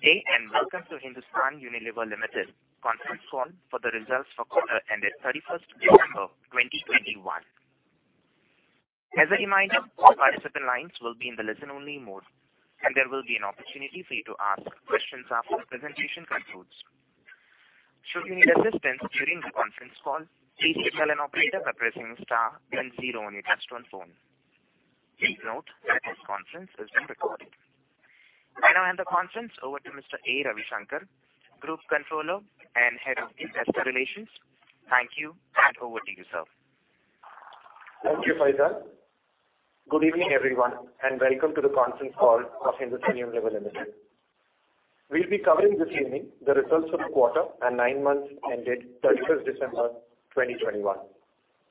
Good day, and welcome to Hindustan Unilever Limited conference call for the results for quarter ended 31 December 2021. As a reminder, all participant lines will be in the listen only mode, and there will be an opportunity for you to ask questions after the presentation concludes. Should you need assistance during the conference call, please tell an operator by pressing star then zero on your touchtone phone. Please note that this conference is being recorded. I now hand the conference over to Mr. A. Ravishankar, Group Controller and Head of Investor Relations. Thank you, and over to you, sir. Thank you, Faizan. Good evening, everyone, and welcome to the conference call of Hindustan Unilever Limited. We'll be covering this evening the results for the quarter and nine months ended 31 December 2021.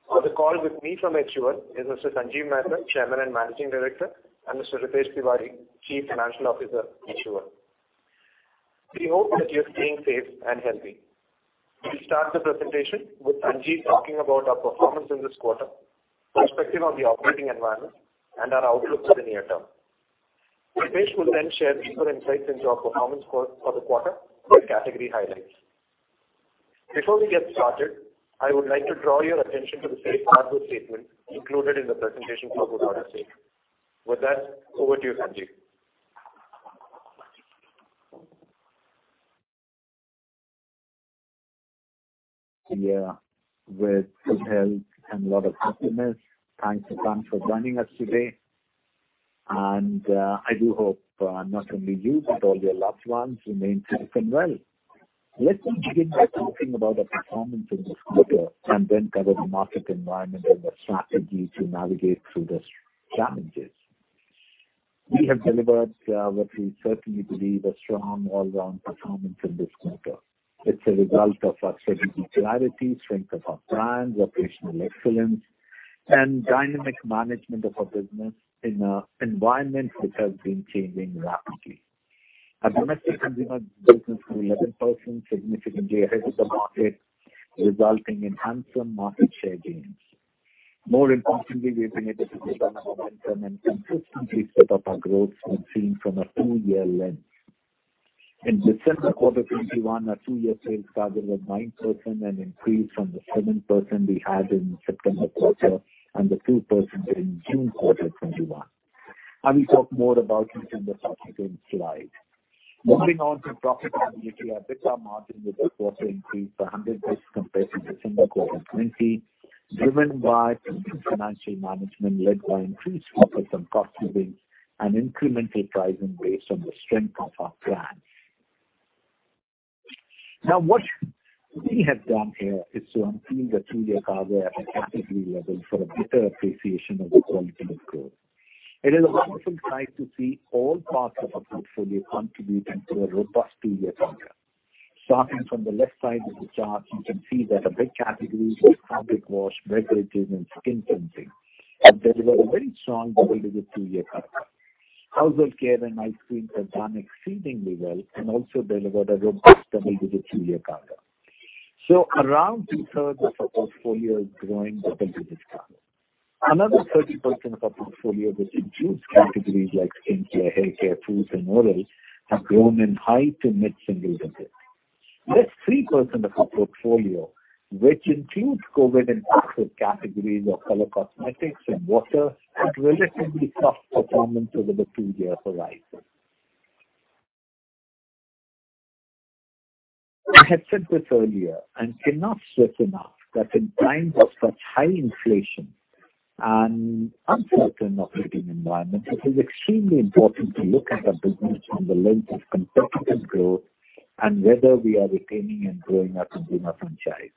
On the call with me from HUL is Mr. Sanjiv Mehta, Chairman and Managing Director, and Mr. Ritesh Tiwari, Chief Financial Officer, HUL. We hope that you're staying safe and healthy. We'll start the presentation with Sanjiv talking about our performance in this quarter, perspective on the operating environment, and our outlook for the near term. Ritesh will then share deeper insights into our performance for the quarter with category highlights. Before we get started, I would like to draw your attention to the safe harbor statement included in the presentation for further sake. With that, over to you, Sanjiv. Yeah. With good health and a lot of optimism. Thanks again for joining us today. I do hope not only you, but all your loved ones remain safe and well. Let me begin by talking about our performance in this quarter, and then cover the market environment and the strategy to navigate through the challenges. We have delivered what we certainly believe is a strong all around performance in this quarter. It's a result of our strategic clarity, strength of our brands, operational excellence, and dynamic management of our business in an environment which has been changing rapidly. Our domestic consumer business grew 11%, significantly ahead of the market, resulting in handsome market share gains. More importantly, we've been able to build on the momentum and consistently step up our growth when seen from a full year lens. In December quarter 2021, our two-year sales target was 9%, an increase from the 7% we had in September quarter and the 2% in June quarter 2021. I will talk more about December on the subsequent slide. Moving on to profitability, our EBITDA margin for this quarter increased 100 basis points compared to December quarter 2020, driven by prudent financial management led by increased focus on cost savings and incremental pricing based on the strength of our brands. Now, what we have done here is to unveil the two-year CAGR at a category level for a better appreciation of the quality of growth. It is a wonderful sight to see all parts of our portfolio contributing to a robust two-year CAGR. Starting from the left side of the chart, you can see that our big categories of fabric wash, beverages, and skin cleansing have delivered a very strong double-digit two-year CAGR. Household care and ice cream have done exceedingly well and also delivered a robust double-digit two-year CAGR. Around two-thirds of our portfolio is growing double-digit CAGR. Another 30% of our portfolio, which includes categories like skincare, haircare, foods, and oral, have grown in high to mid-single digits. Just 3% of our portfolio, which includes COVID-impacted categories of color cosmetics and water, had relatively soft performance over the two-year horizon. I have said this earlier and cannot stress enough that in times of such high inflation and uncertain operating environment, it is extremely important to look at our business from the lens of competitive growth and whether we are retaining and growing our consumer franchise.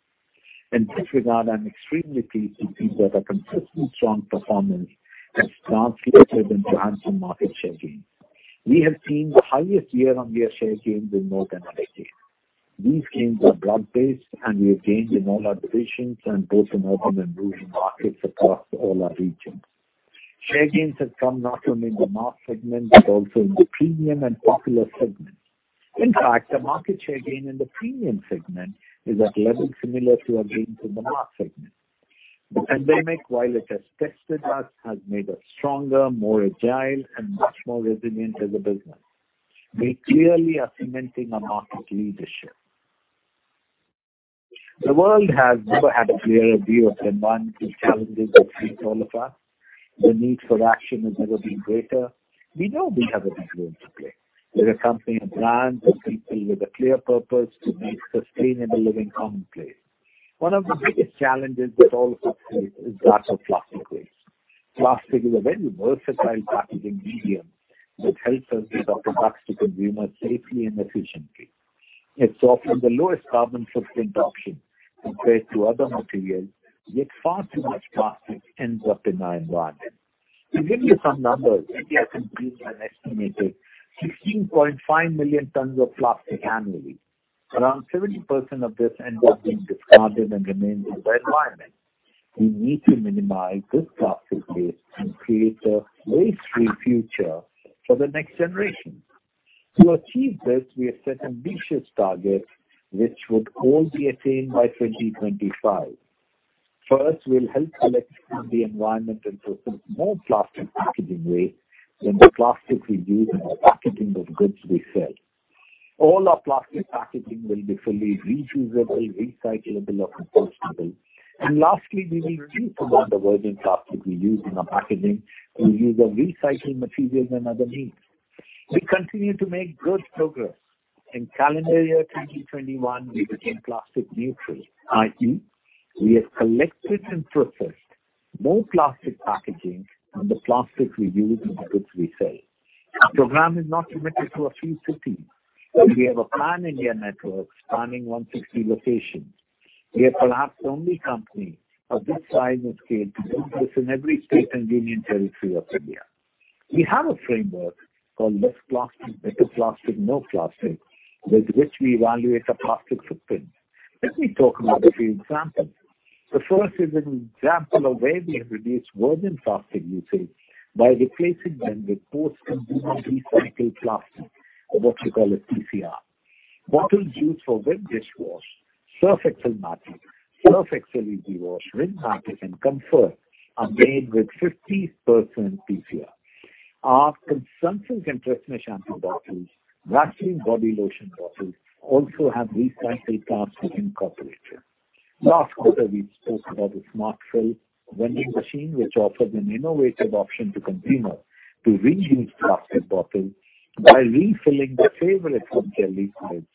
In this regard, I'm extremely pleased to see that our consistent strong performance has translated into handsome market share gains. We have seen the highest year-over-year share gains in more than a decade. These gains are broad-based, and we have gained in all our divisions and both in urban and rural markets across all our regions. Share gains have come not only in the mass segment but also in the premium and popular segments. In fact, the market share gain in the premium segment is at levels similar to our gains in the mass segment. The pandemic, while it has tested us, has made us stronger, more agile, and much more resilient as a business. We clearly are cementing our market leadership. The world has never had a clearer view of the environmental challenges that face all of us. The need for action has never been greater. We know we have a big role to play. We're a company of brands, of people with a clear purpose to make sustainable living commonplace. One of the biggest challenges we all face is that of plastic waste. Plastic is a very versatile packaging medium that helps us get our products to consumers safely and efficiently. It's often the lowest carbon footprint option compared to other materials, yet far too much plastic ends up in our environment. To give you some numbers, India consumes an estimated 16.5 million tons of plastic annually. Around 70% of this ends up being discarded and remains in the environment. We need to minimize this plastic waste and create a waste-free future for the next generation. To achieve this, we have set ambitious targets which would all be attained by 2025. First, we'll help collect from the environment and process more plastic packaging waste than the plastics we use in the packaging of goods we sell. All our plastic packaging will be fully reusable, recyclable or compostable. Lastly, we will reduce the amount of virgin plastic we use in our packaging and use of recycled materials and other means. We continue to make good progress. In calendar year 2021, we became plastic neutral, i.e., we have collected and processed more plastic packaging than the plastic we use in the goods we sell. Our program is not limited to a few cities, and we have a pan-India network spanning 160 locations. We are perhaps the only company of this size and scale to do this in every state and union territory of India. We have a framework called Less Plastic, Better Plastic, No Plastic, with which we evaluate our plastic footprint. Let me talk about a few examples. The first is an example of where we have reduced virgin plastic usage by replacing them with post-consumer recycled plastic, or what you call as PCR. Bottles used for Rin Dishwash, Surf Excel Matic, Surf Excel Easy Wash, Rin Matic, and Comfort are made with 50% PCR. Our Sunsilk and TRESemmé shampoo bottles, Vaseline body lotion bottles also have recycled plastic incorporated. Last quarter, we spoke about the Smart Fill vending machine, which offers an innovative option to consumers to reuse plastic bottles while refilling their favorite home care liquids.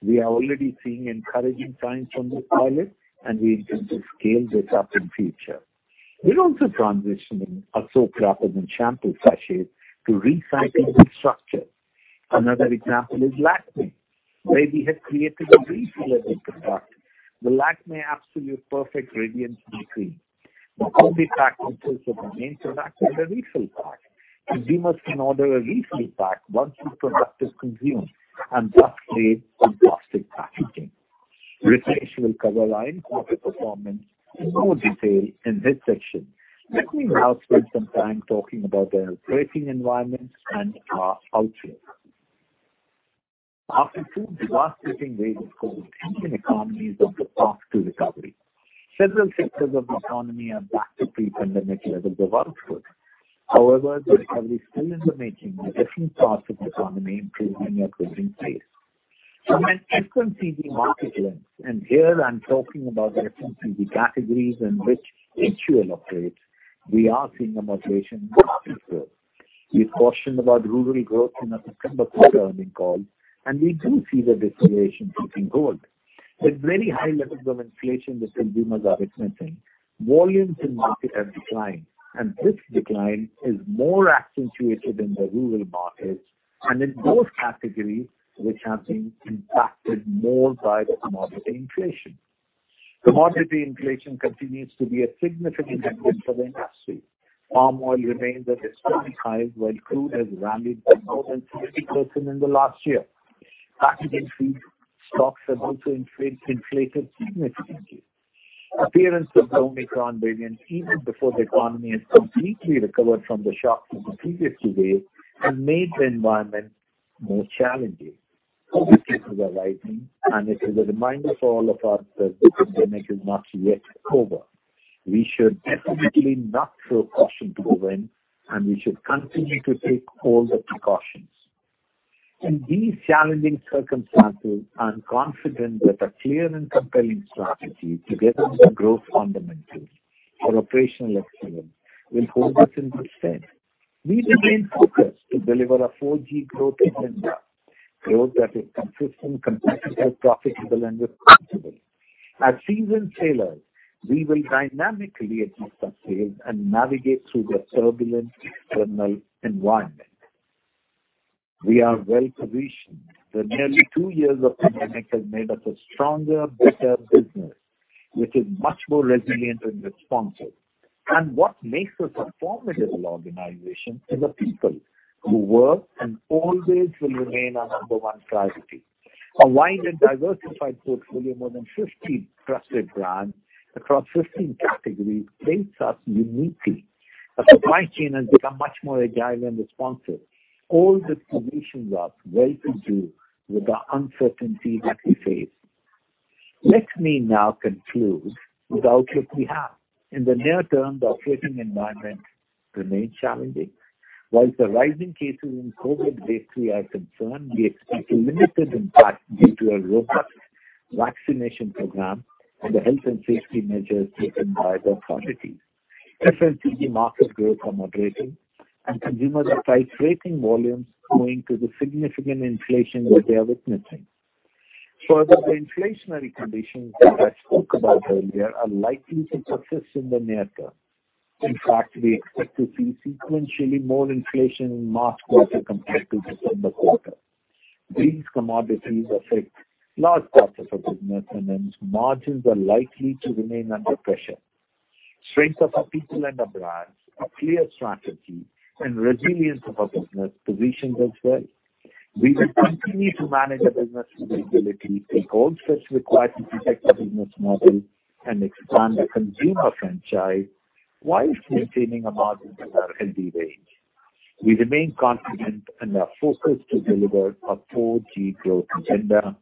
We are already seeing encouraging signs from this pilot, and we intend to scale this up in future. We're also transitioning our soap wrappers and shampoo sachets to recyclable structures. Another example is Lakmé, where we have created a refillable product. The Lakmé Absolute Perfect Radiance cream will be packed in terms of the main product and the refill pack. Consumers can order a refill pack once this product is consumed and thus save on plastic packaging. Ritesh will cover our income and performance in more detail in his section. Let me now spend some time talking about the operating environment and our outlook. After two devastating waves of COVID, Indian economy is on the path to recovery. Several sectors of the economy are back to pre-pandemic levels of workforce. However, the recovery is still in the making, with different parts of the economy improving at varying pace. From an FMCG market lens, and here I'm talking about the FMCG categories in which HUL operates, we are seeing a moderation in market growth. We cautioned about rural growth in our September quarter earnings call, and we do see the deceleration continuing forward. With very high levels of inflation that consumers are witnessing, volumes in the market have declined, and this decline is more accentuated in the rural markets and in those categories which have been impacted more by the commodity inflation. Commodity inflation continues to be a significant headwind for the industry. Palm oil remains at historic highs, while crude has rallied by more than 30% in the last year. Packaging fees and stocks have also inflated significantly. The appearance of the Omicron variant even before the economy has completely recovered from the shocks of the previous two waves has made the environment more challenging. COVID cases are rising, and it is a reminder for all of us that this pandemic is not yet over. We should definitely not throw caution to the wind, and we should continue to take all the precautions. In these challenging circumstances, I'm confident that a clear and compelling strategy together with the growth fundamentals of operational excellence will hold us in good stead. We remain focused to deliver a 4G Growth Agenda, growth that is consistent, competitive, profitable, and responsible. As seasoned sailors, we will dynamically adjust our sails and navigate through the turbulent external environment. We are well-positioned. The nearly two years of pandemic has made us a stronger, better business, which is much more resilient and responsive. What makes us a formidable organization is the people who work and always will remain our number one priority. A wide and diversified portfolio, more than 50 trusted brands across 15 categories places us uniquely. Our supply chain has become much more agile and responsive. All these positions us well to deal with the uncertainty that we face. Let me now conclude with the outlook we have. In the near term, the operating environment remains challenging. While the rising cases in COVID wave three are a concern, we expect a limited impact due to a robust vaccination program and the health and safety measures taken by the authorities. FMCG market growth are moderating, and consumers are price-rationing volumes owing to the significant inflation that they are witnessing. Further, the inflationary conditions that I spoke about earlier are likely to persist in the near term. In fact, we expect to see sequentially more inflation in March quarter compared to December quarter. These commodities affect large parts of our business, and hence margins are likely to remain under pressure. Strength of our people and our brands, a clear strategy, and resilience of our business positions us well. We will continue to manage the business with agility, take all steps required to protect the business model, and expand the consumer franchise while sustaining our margins in our healthy range. We remain confident in our focus to deliver our 4G growth agenda.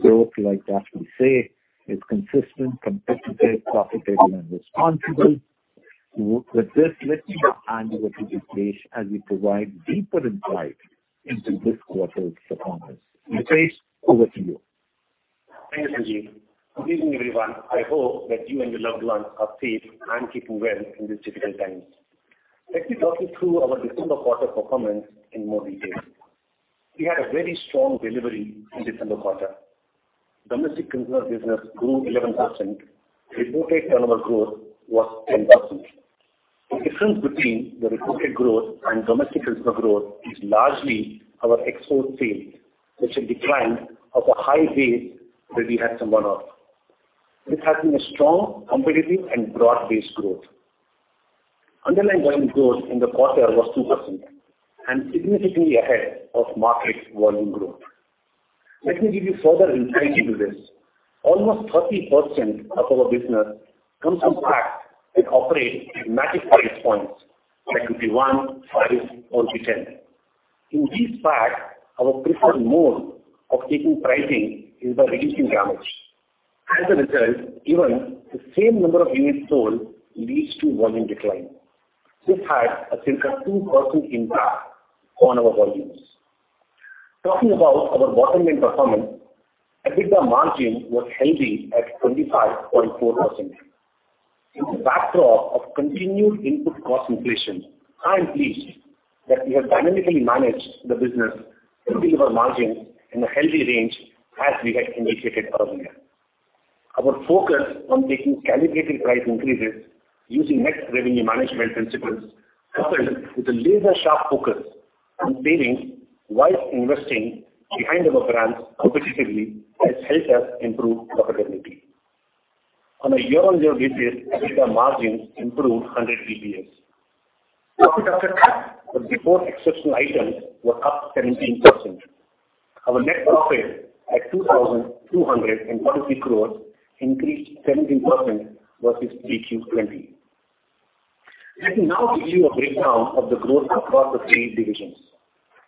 Growth, like Defined said, is consistent, competitive, profitable, and responsible. With this, let me hand over to Ritesh Tiwari as we provide deeper insight into this quarter's performance. Ritesh Tiwari, over to you. Thank you, Sanjiv. Good evening, everyone. I hope that you and your loved ones are safe and keeping well in these difficult times. Let me talk you through our December quarter performance in more detail. We had a very strong delivery in December quarter. Domestic consumer business grew 11%. Reported turnover growth was 10%. The difference between the reported growth and domestic consumer growth is largely our export sales, which have declined off a high base that we had some one-off. This has been a strong, competitive, and broad-based growth. Underlying volume growth in the quarter was 2% and significantly ahead of market volume growth. Let me give you further insight into this. Almost 30% of our business comes from packs that operate in multi-price points, like 1, 5, or 10. In these packs, our preferred mode of taking pricing is by reducing grammage. As a result, even the same number of units sold leads to volume decline. This had a circa 2% impact on our volumes. Talking about our bottom line performance, EBITDA margin was healthy at 25.4%. In the backdrop of continued input cost inflation, I am pleased that we have dynamically managed the business to deliver margins in a healthy range as we had indicated earlier. Our focus on taking calibrated price increases using net revenue management principles, coupled with a laser-sharp focus on savings while investing behind our brands competitively has helped us improve profitability. On a year-on-year basis, EBITDA margins improved 100 basis points. Profit after tax, but before exceptional items, were up 17%. Our net profit at 2,240 crores increased 17% versus Q2 2020. Let me now give you a breakdown of the growth across the three divisions.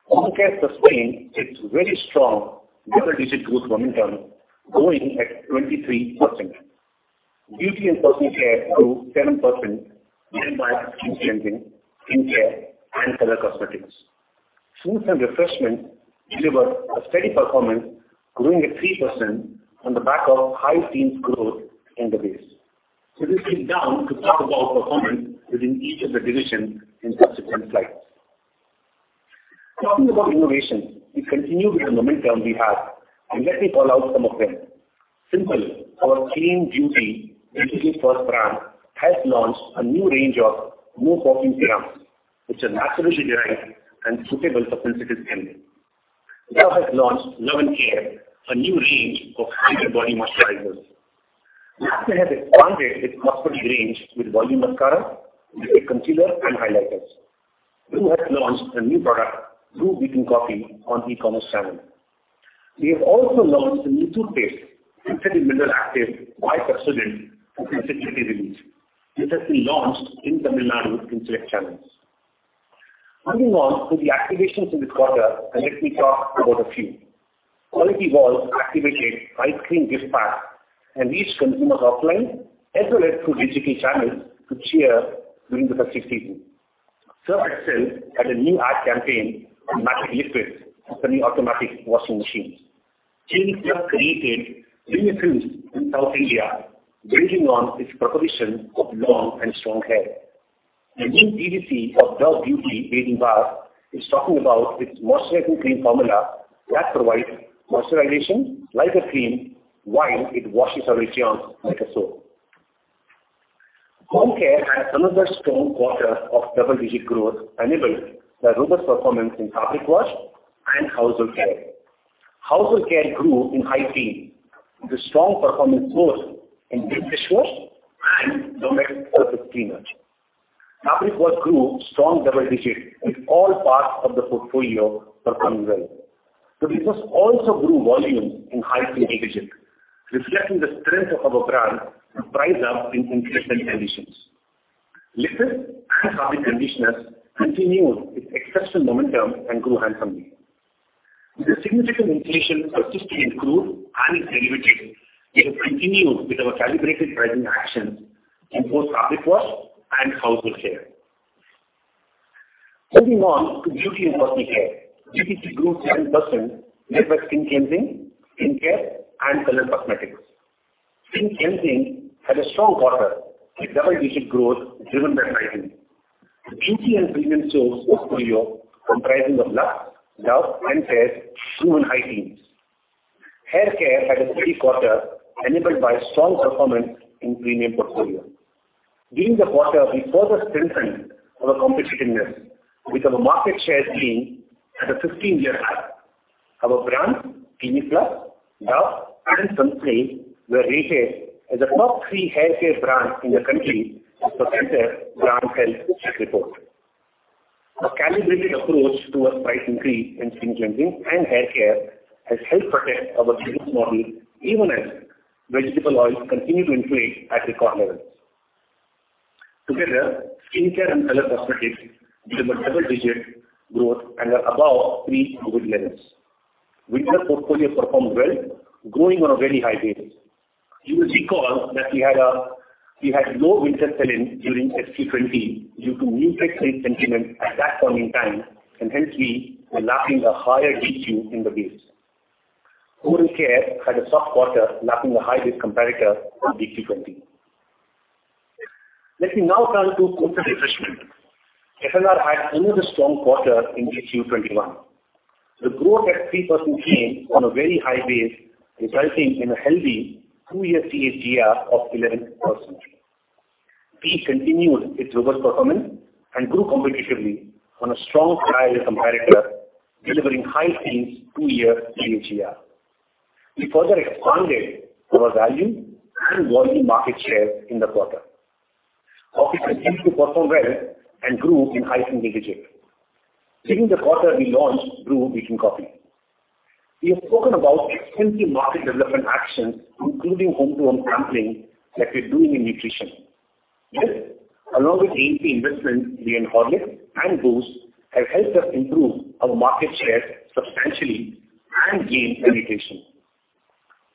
Home Care sustained its very strong double-digit growth momentum, growing at 23%. Beauty and Personal Care grew 7%, led by skin cleansing, skincare, and color cosmetics. Foods and Refreshment delivered a steady performance, growing at 3% on the back of high teens growth in the base. Let's break down to talk about performance within each of the divisions in subsequent slides. Talking about innovations, we continue with the momentum we have, and let me call out some of them. Simple, our clean beauty digital-first brand, has launched a new range of no perfume serums, which are naturally derived and suitable for sensitive skin. Dove has launched [Love & Care] a range of hybrid body moisturizers. Lakmé has expanded its cosmetics range with volume mascara, liquid concealer, and highlighters. Bru has launched a new product, Bru Decaf Coffee, on e-commerce channel. We have also launched a new toothpaste, Sensodyne Mineral Boost Whitening, for sensitivity relief, which has been launched in Tamil Nadu in select channels. Moving on to the activations in this quarter, let me talk about a few. Kwality Wall's activated ice cream gift packs and reached consumers offline as well as through digital channels to cheer during the festive season. Surf Excel had a new ad campaign on Matic Lift with its new automatic washing machines. Clinic Plus created [Rapunzel crews] in South India, building on its proposition of long and strong hair. A new DVC of Dove Beauty Bathing Bar is talking about its moisturizing cream formula that provides moisturization like a cream while it washes our skins like a soap. Home Care had another strong quarter of double-digit growth enabled by robust performance in fabric wash and household care. Household care grew in high teens, with a strong performance growth in dish wash and domestic surface cleaners. Fabric wash grew strong double digits, with all parts of the portfolio performing well. This has also grew volumes in high single digits, reflecting the strength of our brands to price up in inflationary conditions. Liquid and fabric conditioners continued its exceptional momentum and grew handsomely. With the significant inflation persisting in food and in derivatives, we have continued with our calibrated pricing actions in both fabric wash and household care. Moving on to beauty and personal care. Beauty grew 7%, led by skin cleansing, skincare, and color cosmetics. Skin cleansing had a strong quarter, with double-digit growth driven by hygiene. The beauty and premium soaps portfolio comprising of Lux, Dove, and Pears, grew in high teens. Hair care had a steady quarter enabled by strong performance in premium portfolio. During the quarter, we further strengthened our competitiveness, with our market share being at a 15-year high. Our brands Clinic Plus, Dove, and Sunsilk were rated as the top three hair care brands in the country in [Kantar] Hair Brand Health Check Report. Our calibrated approach towards price increase in skin cleansing and hair care has helped protect our business model, even as vegetable oils continue to inflate at record levels. Together, skin care and color cosmetics delivered double-digit growth and are above pre-COVID levels. Winter portfolio performed well, growing on a very high base. You will recall that we had low winter selling during FY 2020 due to new tax rate sentiment at that point in time, and hence we were lacking a higher GQ in the base. Oral care had a soft quarter, lacking a high base comparator from DQ 2020. Let me now turn to consumer refreshment. F&R had another strong quarter in Q1 2021. The growth at 3% came on a very high base, resulting in a healthy two-year CAGR of 11%. Tea continued its robust performance and grew competitively on a strong prior year comparator, delivering high-teens two-year CAGR. We further expanded our value and won market share in the quarter. Coffee continued to perform well and grew in high single digits. During the quarter, we launched Bru Decaf Coffee. We have spoken about extensive market development actions, including home-to-home sampling that we're doing in nutrition. This, along with A&P investments made in Horlicks and Boost, have helped us improve our market share substantially and gain penetration.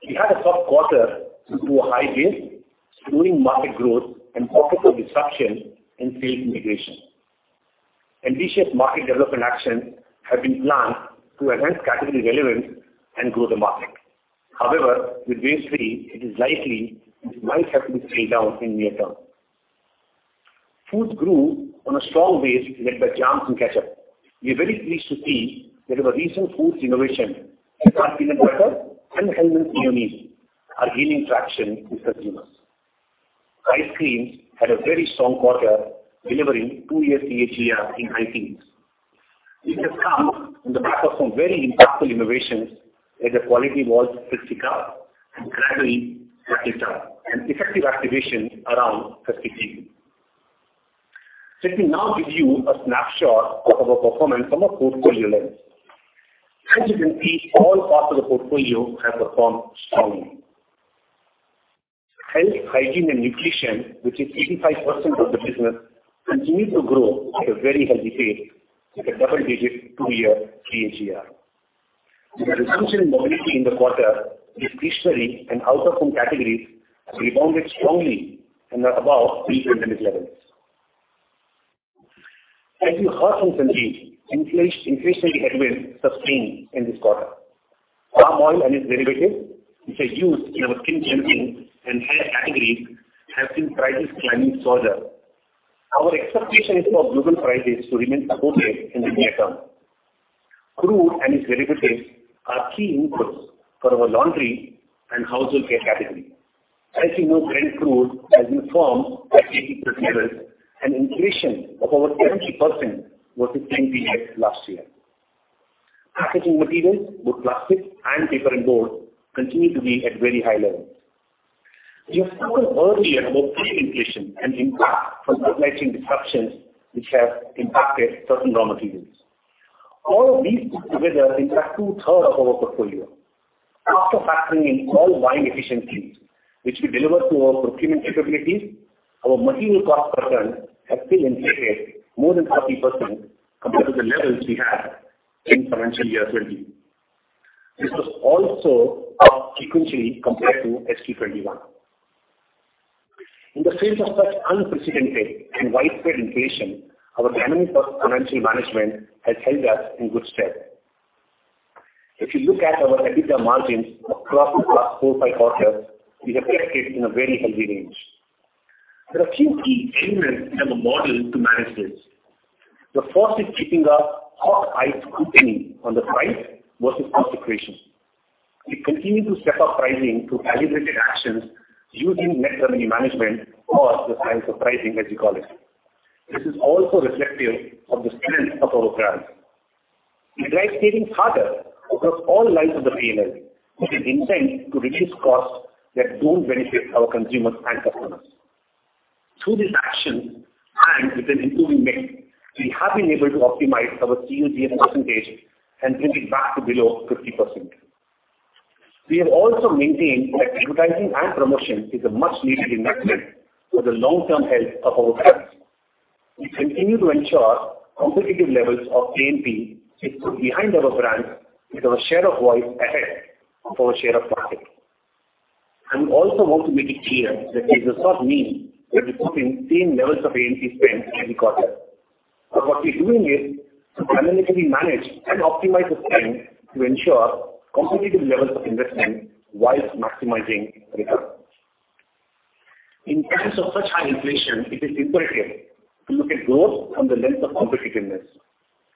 We had a soft quarter due to a high base, slowing market growth and quarter four disruption in sales integration. Ambitious market development actions have been planned to enhance category relevance and grow the market. However, with base three, it is likely this might have to be scaled down in near term. Foods grew on a strong base led by jams and ketchup. We are very pleased to see that our recent foods innovation, Kissan butter and Hellmann's mayonnaise, are gaining traction with consumers. Ice cream had a very strong quarter, delivering two-year CAGR in high teens. This has come on the back of some very impactful innovations, as the Kwality Wall's 50 car and gradually worked its way up, and effective activation around 50 people. Let me now give you a snapshot of our performance from a portfolio lens. As you can see, all parts of the portfolio have performed strongly. Health, hygiene and nutrition, which is 85% of the business, continue to grow at a very healthy pace with a double-digit two-year CAGR. With a resumption in mobility in the quarter, the stationary and out-of-home categories have rebounded strongly and are above pre-pandemic levels. As you heard from Sanjiv, inflationary headwinds were sustained in this quarter. Palm oil and its derivatives, which are used in our skin cleansing and hair categories, have seen prices climbing further. Our expectation is for global prices to remain supportive in the near term. Crude and its derivatives are key inputs for our laundry and household care category. As you know, Brent crude has been firm at $80 levels, and inflation of over 70% was sustained here last year. Packaging materials, both plastic and paper and board, continue to be at very high levels. We have spoken earlier about price inflation and impact from supply chain disruptions which have impacted certain raw materials. All of these put together impact two-thirds of our portfolio. After factoring in all buying efficiencies which we deliver through our procurement capabilities, our material cost per ton has still inflated more than 30% compared to the levels we had in FY 2020. This was also up sequentially compared to Q1 2021. In the face of such unprecedented and widespread inflation, our dynamic cost financial management has held us in good stead. If you look at our EBITDA margins across the last four, five quarters, we have kept it in a very healthy range. There are few key elements in our model to manage this. The first is keeping a hawk eye scrutiny on the price versus cost equation. We continue to step up pricing through calibrated actions using net revenue management or the science of pricing, as we call it. This is also reflective of the strength of our brands. We drive savings harder across all lines of the P&L with an intent to reduce costs that don't benefit our consumers and customers. Through this action and with an improving mix, we have been able to optimize our COGS percentage and bring it back to below 50%. We have also maintained that advertising and promotion is a much needed investment for the long-term health of our brands. We continue to ensure competitive levels of A&P sit behind our brands with our share of voice ahead of our share of profit. We also want to make it clear that it does not mean that we put in same levels of A&P spend every quarter. What we're doing is to dynamically manage and optimize the spend to ensure competitive levels of investment while maximizing returns. In times of such high inflation, it is imperative to look at growth from the lens of competitiveness.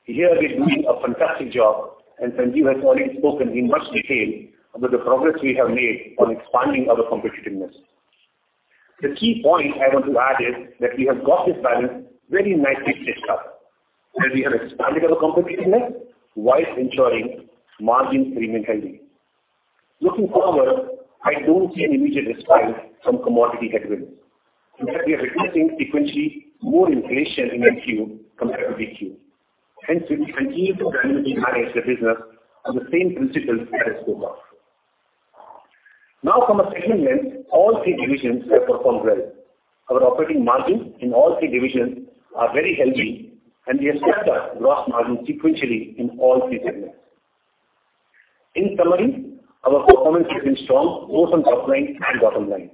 Here we're doing a fantastic job, and Sanjiv has already spoken in much detail about the progress we have made on expanding our competitiveness. The key point I want to add is that we have got this balance very nicely stitched up, as we have expanded our competitiveness while ensuring margins remain healthy. Looking forward, I don't see an immediate respite from commodity headwinds. In fact, we are witnessing sequentially more inflation in Q compared to PQ. Hence, we continue to dynamically manage the business on the same principles as before. Now from a segment lens, all three divisions have performed well. Our operating margins in all three divisions are very healthy, and we expect gross margin sequentially in all three segments. In summary, our performance has been strong both on top line and bottom line.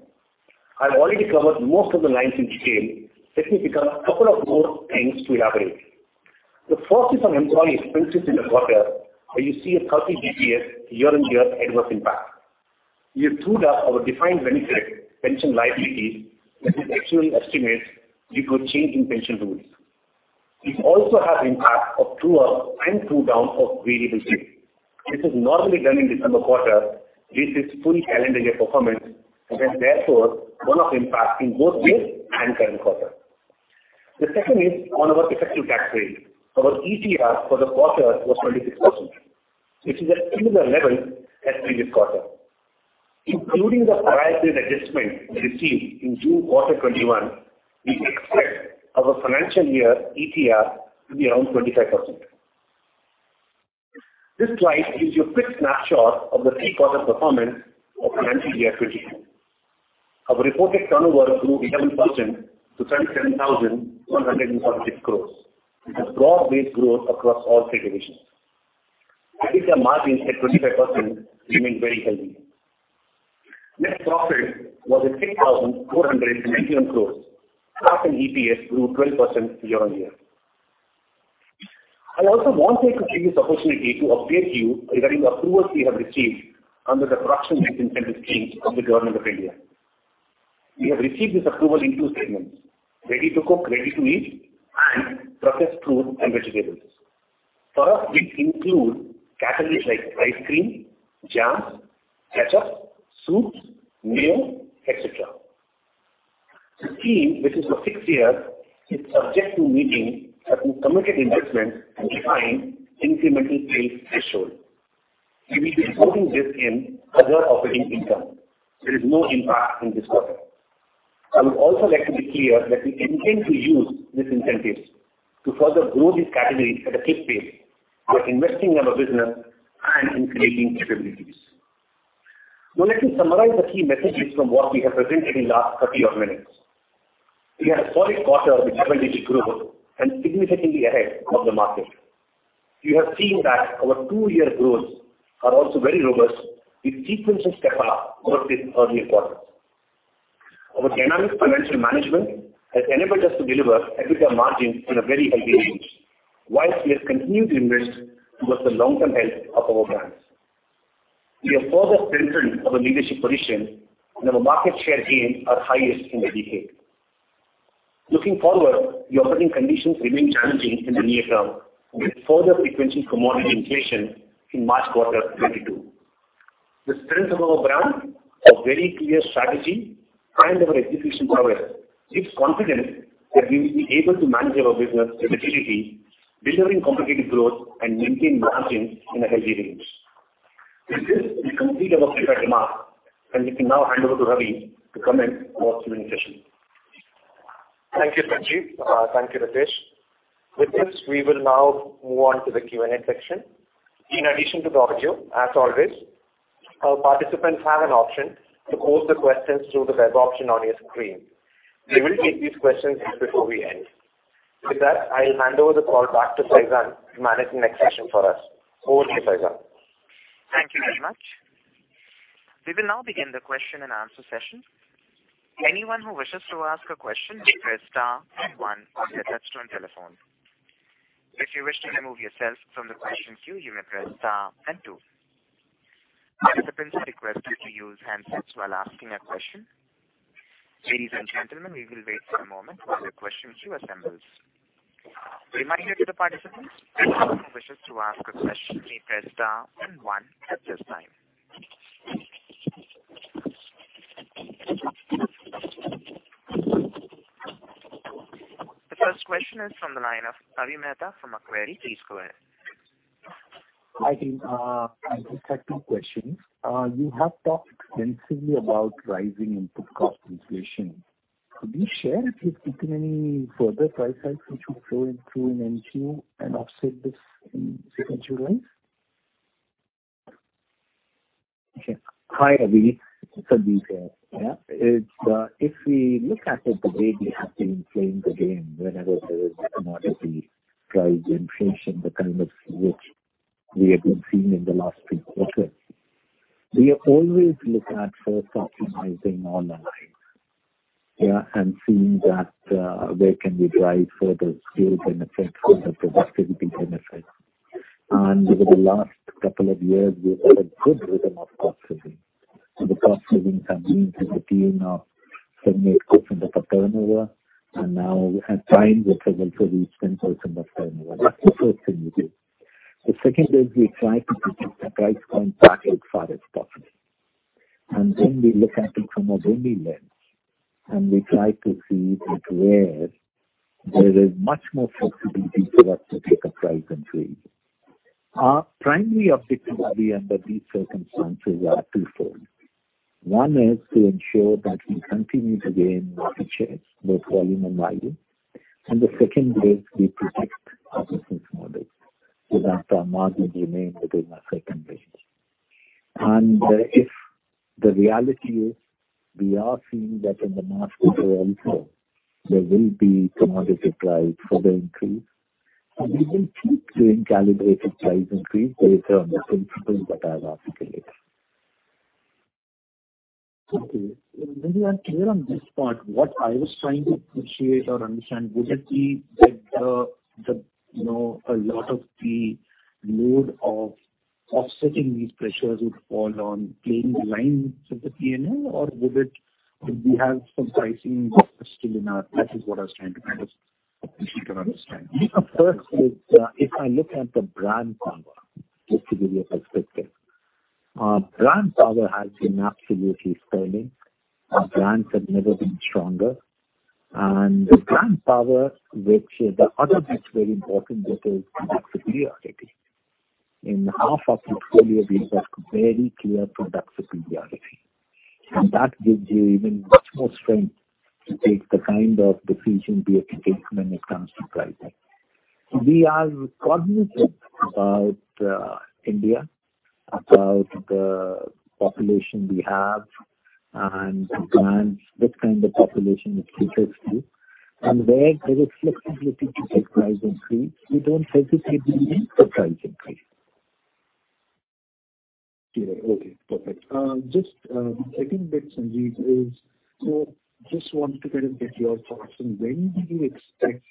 I've already covered most of the lines in detail. Let me pick up a couple of more things to elaborate. The first is on employee expenses in the quarter, where you see a 30 basis points year-on-year adverse impact. We have trued up our defined benefit pension liability with an actuarial estimate due to a change in pension rules. We also have impact of true up and true down of variable shift. This is normally done in December quarter with its full calendar year performance, and has therefore one-off impact in both years and current quarter. The second is on our effective tax rate. Our ETR for the quarter was 26%, which is a similar level as previous quarter. Including the prior year adjustment we received in June quarter 2021, we expect our financial year ETR to be around 25%. This slide gives you a quick snapshot of the three-quarter performance of financial year 2021. Our reported turnover grew 11% to 77,146 crores with a broad-based growth across all three divisions. EBITDA margins at 25% remained very healthy. Net profit was at 6,491 crores. Profit and EPS grew 12% year-on-year. I also wanted to take this opportunity to update you regarding approvals we have received under the Production-Linked Incentive Scheme from the Government of India. We have received this approval in two segments, ready-to-cook, ready-to-eat, and processed fruit and vegetables. For us, this includes categories like ice cream, jams, ketchup, soups, mayo, et cetera. The scheme, which is for six years, is subject to meeting certain committed investments and defined incremental sales threshold. We will be reporting this in other operating income. There is no impact in this quarter. I would also like to be clear that we intend to use these incentives to further grow these categories at a quick pace by investing in our business and in creating capabilities. Now let me summarize the key messages from what we have presented in last 30-odd minutes. We had a solid quarter with double-digit growth and significantly ahead of the market. You have seen that our two-year growths are also very robust with sequential step-up over the earlier quarters. Our dynamic financial management has enabled us to deliver EBITDA margins in a very healthy range while we have continued to invest towards the long-term health of our brands. We have further strengthened our leadership position, and our market share gains are highest in a decade. Looking forward, the operating conditions remain challenging in the near term, with further frequency commodity inflation in March quarter 2022. The strength of our brand, our very clear strategy, and our execution prowess gives confidence that we will be able to manage our business with agility, delivering competitive growth, and maintain margins in a healthy range. With this, we complete our prepared remarks, and we can now hand over to Ravi to commence our Q&A session. Thank you, Sanjiv. Thank you, Ritesh. With this, we will now move on to the Q&A section. In addition to the audio, as always, our participants have an option to pose the questions through the web option on your screen. We will take these questions just before we end. With that, I'll hand over the call back to Faizan to manage the next session for us. Over to Faizan. Thank you very much. We will now begin the question-and-answer session. Anyone who wishes to ask a question may press star and one on their touch-tone telephone. If you wish to remove yourself from the question queue, you may press star and two. Participants are requested to use handsets while asking a question. Ladies and gentlemen, we will wait for a moment while your question queue assembles. Reminder to the participants, anyone who wishes to ask a question may press star and one at this time. The first question is from the line of Avi Mehta from Macquarie. Please go ahead. Hi, team. I just have two questions. You have talked extensively about rising input cost inflation. Could you share if you've taken any further price hikes which will flow into in 1Q and offset this in sequential lines? Okay. Hi, Avi. It's Sanjiv here. Yeah, if we look at it the way we have been playing the game whenever there is commodity price inflation, the kind of which we have been seeing in the last three quarters, we always look at first optimizing on our lines. Yeah, and seeing that, where can we drive further scale benefits or the productivity benefits. Over the last couple of years, we've had a good rhythm of cost savings. The cost savings have ranged between 7%-8% of the turnover, and now we have timed it so that we reach 10% of turnover. That's the first thing we do. The second is we try to protect the price point back as far as possible. We look at it from a volume lens, and we try to see that where there is much more flexibility for us to take a price increase. Our primary objective, Avi, under these circumstances are twofold. One is to ensure that we continue to gain market shares, both volume and value. The second is we protect our business models so that our margin remain within a certain range. If the reality is we are seeing that in the mass play also, there will be commodity price further increase, and we will keep doing calibrated price increase based on the principles that I have articulated. Okay. Maybe I'm clear on this part. What I was trying to appreciate or understand, would it be that the you know, a lot of the load of offsetting these pressures would fall on playing the lines of the P&L or would it, we have some pricing still in our. That is what I was trying to kind of appreciate or understand. First is, if I look at the brand power, just to give you a perspective, brand power has been absolutely scaling. Our brands have never been stronger. The brand power, which is the other bit very important, which is product superiority. In half our portfolio we have got very clear product superiority, and that gives you even much more strength to take the kind of decision we have to take when it comes to pricing. We are cognizant about India, about the population we have and the brands, which kind of population it caters to. Where there is flexibility to take price increase, we don't hesitate to take the price increase. Yeah. Okay, perfect. Just second bit, Sanjiv, just wanted to kind of get your thoughts on when do you expect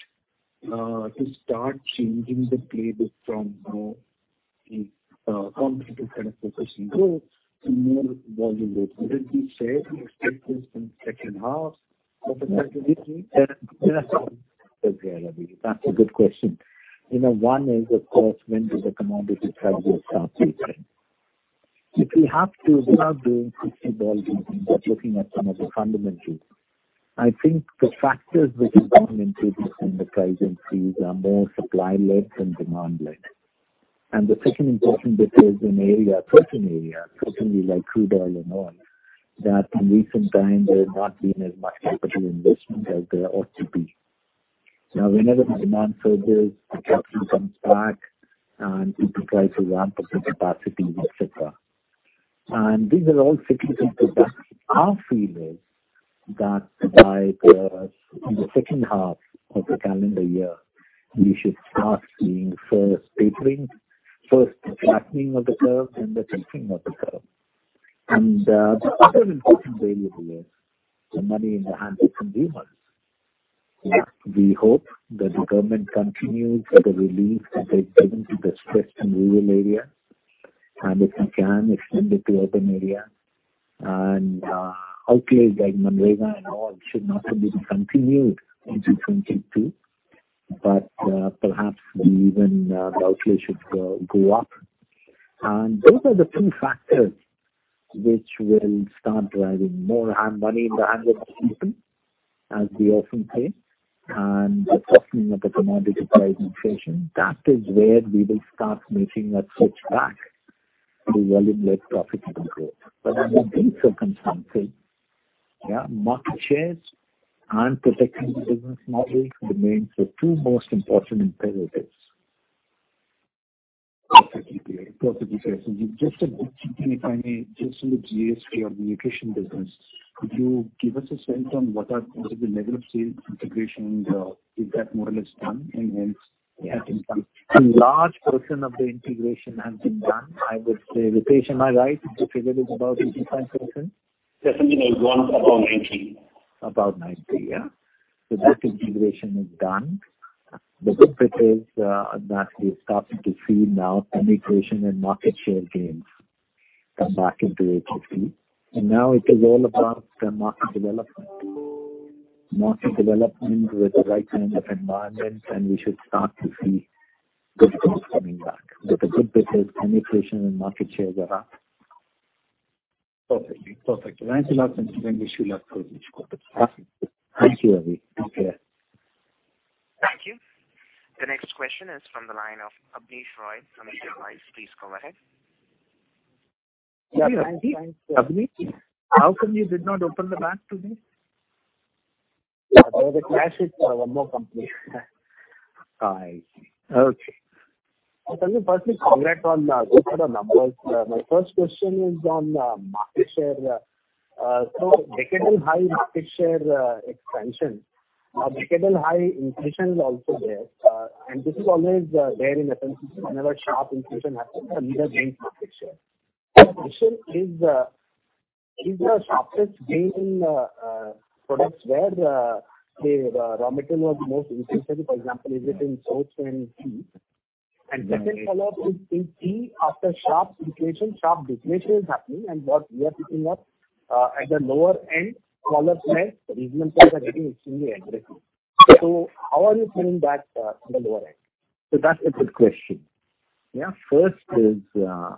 to start changing the playbook from, you know, the competitive kind of focusing growth to more volume-led. Would it be fair to expect this in second half of the current fiscal year? That's a good question. You know, one is of course when do the commodity prices start tapering. If we have to, without doing crystal ball gazing, but looking at some of the fundamentals, I think the factors which have come into this in the price increase are more supply-led than demand-led. The second important bit is a certain area, certainly like crude oil and all, that in recent times there has not been as much capital investment as there ought to be. Now, whenever the demand surges, the capacity comes back and it requires a ramp up in capacity, et cetera. These are all cyclical products. Our feeling is that in the second half of the calendar year, we should start seeing first the flattening of the curve, then the tapering of the curve. The other important variable is the money in the hands of consumers. We hope that the government continues with the relief that they've given to the stressed and rural area and if we can extend it to urban area and outlays like MGNREGA and all should not only be continued into 2022, but perhaps even the outlay should go up. Those are the two factors which will start driving more money in the hands of people, as we often say, and the flattening of the commodity price inflation. That is where we will start making that switch back to volume-led profitable growth. Under these circumstances, yeah, market shares and protecting the business model remains the two most important imperatives. Perfectly clear. Perfectly clear, Sanjiv. Just one more thing, if I may. Just on the GSK or the nutrition business, could you give us a sense on what is the level of sales integration and, is that more or less done and hence- Yes. A large portion of the integration has been done. I would say, Ritesh, am I right if I say that it's about 85%? Definitely more. It's above 90. About 90, yeah. That integration is done. The good bit is that we're starting to see now penetration and market share gains come back into HPC. Now it is all about the market development. Market development with the right kind of environment, and we should start to see good growth coming back. The good bit is penetration and market shares are up. Perfectly. Perfect. Thanks a lot, Sanjiv. Wish you luck for this quarter. Thank you, Avi. Take care. Thank you. The next question is from the line of Abneesh Roy from Edelweiss. Please go ahead. Abneesh, how come you did not open the mic today? There was a clash with one more company. I see. Okay. Sanjiv, firstly congrats on the good quarter numbers. My first question is on market share. Decadal high market share expansion. A decadal high inflation is also there. This is always there in FMCG. Whenever sharp inflation happens, a leader gains market share. The question is the sharpest gain in products where the raw material was most insensitive, for example, is it in soaps and tea? Second follow-up is in tea after sharp inflation, sharp deflation is happening and what we are picking up at the lower end, smaller players, regional players are getting extremely aggressive. How are you feeling that on the lower end? That's a good question. Yeah. First is, you know,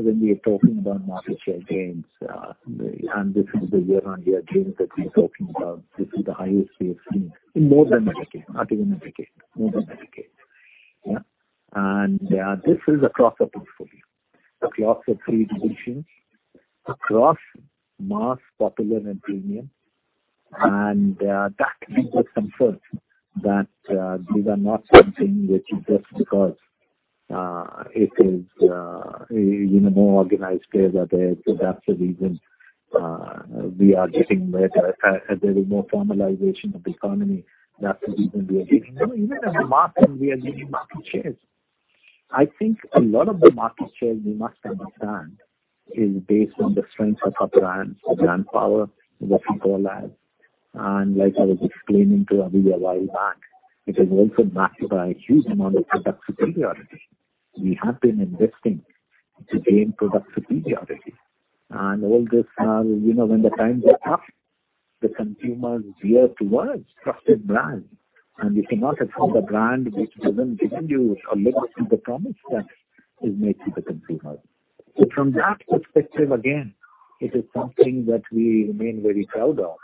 when we are talking about market share gains, and this is the year-over-year gains that we're talking about, this is the highest we have seen in more than a decade. Not even a decade, more than a decade. Yeah. This is across the portfolio, across the three divisions, across mass, popular, and premium. That gives us comfort that these are not something which is just because it is, you know, more organized players are there, so that's the reason we are getting better. As there is more formalization of the economy, that's the reason we are getting. No, even at the mass end, we are gaining market shares. I think a lot of the market shares, we must understand, is based on the strength of our brands, the brand power that people have. Like I was explaining to Abneesh a while back, it is also backed by a huge amount of product superiority. We have been investing to gain product superiority. All this, you know, when the times are tough, the consumers veer towards trusted brands, and you cannot afford a brand which hasn't given you or lives up to the promise that is made to the consumer. From that perspective, again, it is something that we remain very proud of.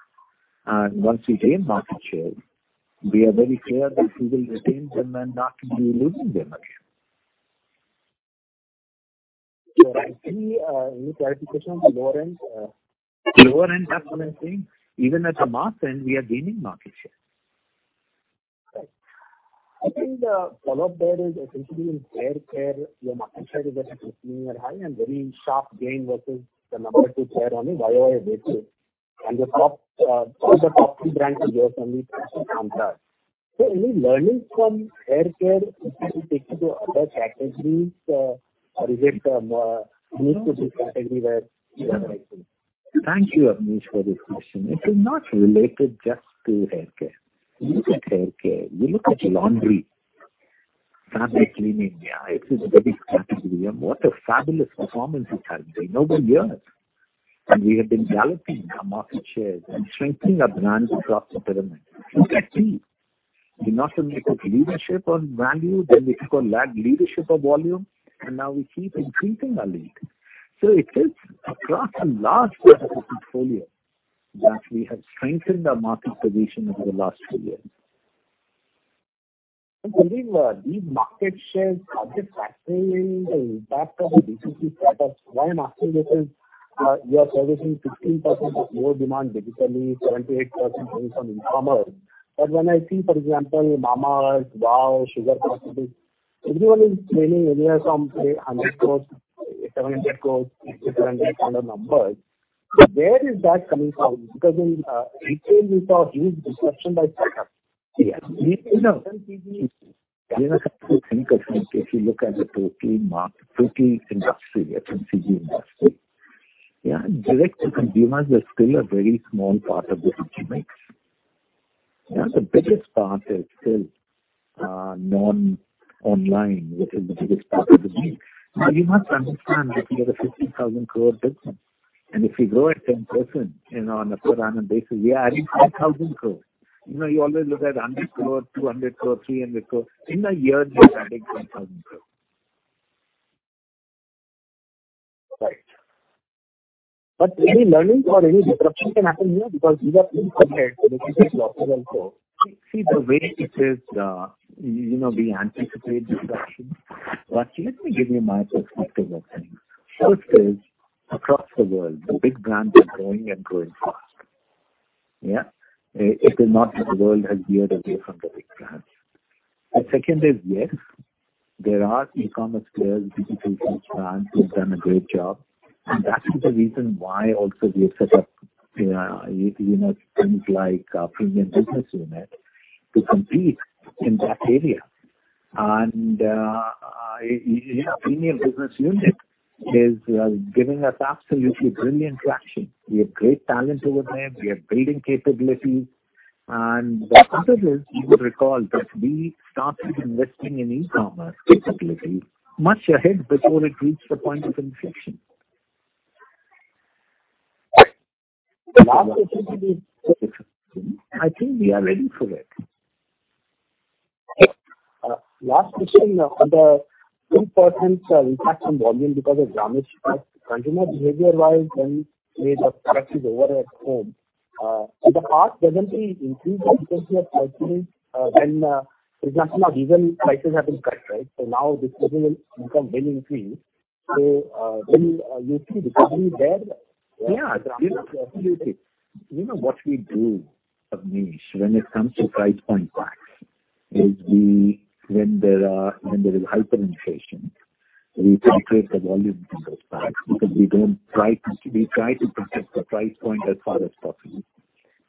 Once we gain market shares, we are very clear that we will retain them and not be losing them again. Right. Any clarification on the lower end? Lower end, that's what I'm saying. Even at the mass end, we are gaining market share. Right. I think the follow-up there is essentially in haircare, your market share is at a 15-year high and very sharp gain versus the number two player, only YOY basis. The top two of the top three brands are yours, and the third one is Pantene. Any learnings from haircare which you could take to other categories, or is it unique to the category where you are seeing? Thank you, Abneesh, for this question. It is not related just to haircare. You look at haircare, you look at laundry, fabric care, yeah, it is a very big category, and what a fabulous performance it's having. No one here. We have been galloping our market shares and strengthening our brands across the pyramid. Look at tea. We not only took leadership on value, then we took on the leadership on volume, and now we keep increasing our lead. It is across a large part of the portfolio that we have strengthened our market position over the last few years. Do you believe these market shares are getting affected by the impact of the DTC startups? Why I'm asking this is, you are servicing 15% of your demand digitally, 78% coming from e-commerce. When I see, for example, Mamaearth, WOW, SUGAR Cosmetics, everyone is claiming anywhere from, say, 100 crores-700 crores, INR 800 crores kind of numbers. Where is that coming from? Because in retail we saw huge disruption by startups. Yeah. You know. FMCG is. You know, Abneesh, if you look at the total market, total industry, FMCG industry, yeah, direct to consumers is still a very small part of the total mix. Yeah. The biggest part is still, non-online, which is the biggest part of the game. Now, you must understand this is a 50,000 crore business. If you grow at 10%, you know, on a per annum basis, we are adding 10,000 crore. You know, you always look at 100 crore, 200 crore, 300 crore. In a year, we are adding 10,000 crore. Right. Any learnings or any disruption can happen here because these are pureplay and they can take losses also. See, the way it is, you know, we anticipate disruption. Abneesh, let me give you my perspective of things. First is, across the world, the big brands are growing and growing fast. Yeah. It is not that the world has veered away from the big brands. Second is, yes, there are e-commerce players, DTC brands who have done a great job. That is the reason why also we have set up, you know, things like our premium business unit to compete in that area. Yeah, premium business unit is giving us absolutely brilliant traction. We have great talent over there. We are building capabilities. The third is, you would recall that we started investing in e-commerce capabilities much ahead before it reached the point of inflection. Last question is. I think we are ready for it. Last question on the 2% impact on volume because of damage. Consumer behavior-wise, when rate of purchases is over at home, is the ask presently increased because you are pricing, when, during festival season prices have been cut, right? Now this season will become well increased. Will you see recovery there? Yeah. You know, absolutely. You know, what we do, Abneesh, when it comes to price point packs is we. When there is hyperinflation, we penetrate the volume into those packs because we try to protect the price point as far as possible.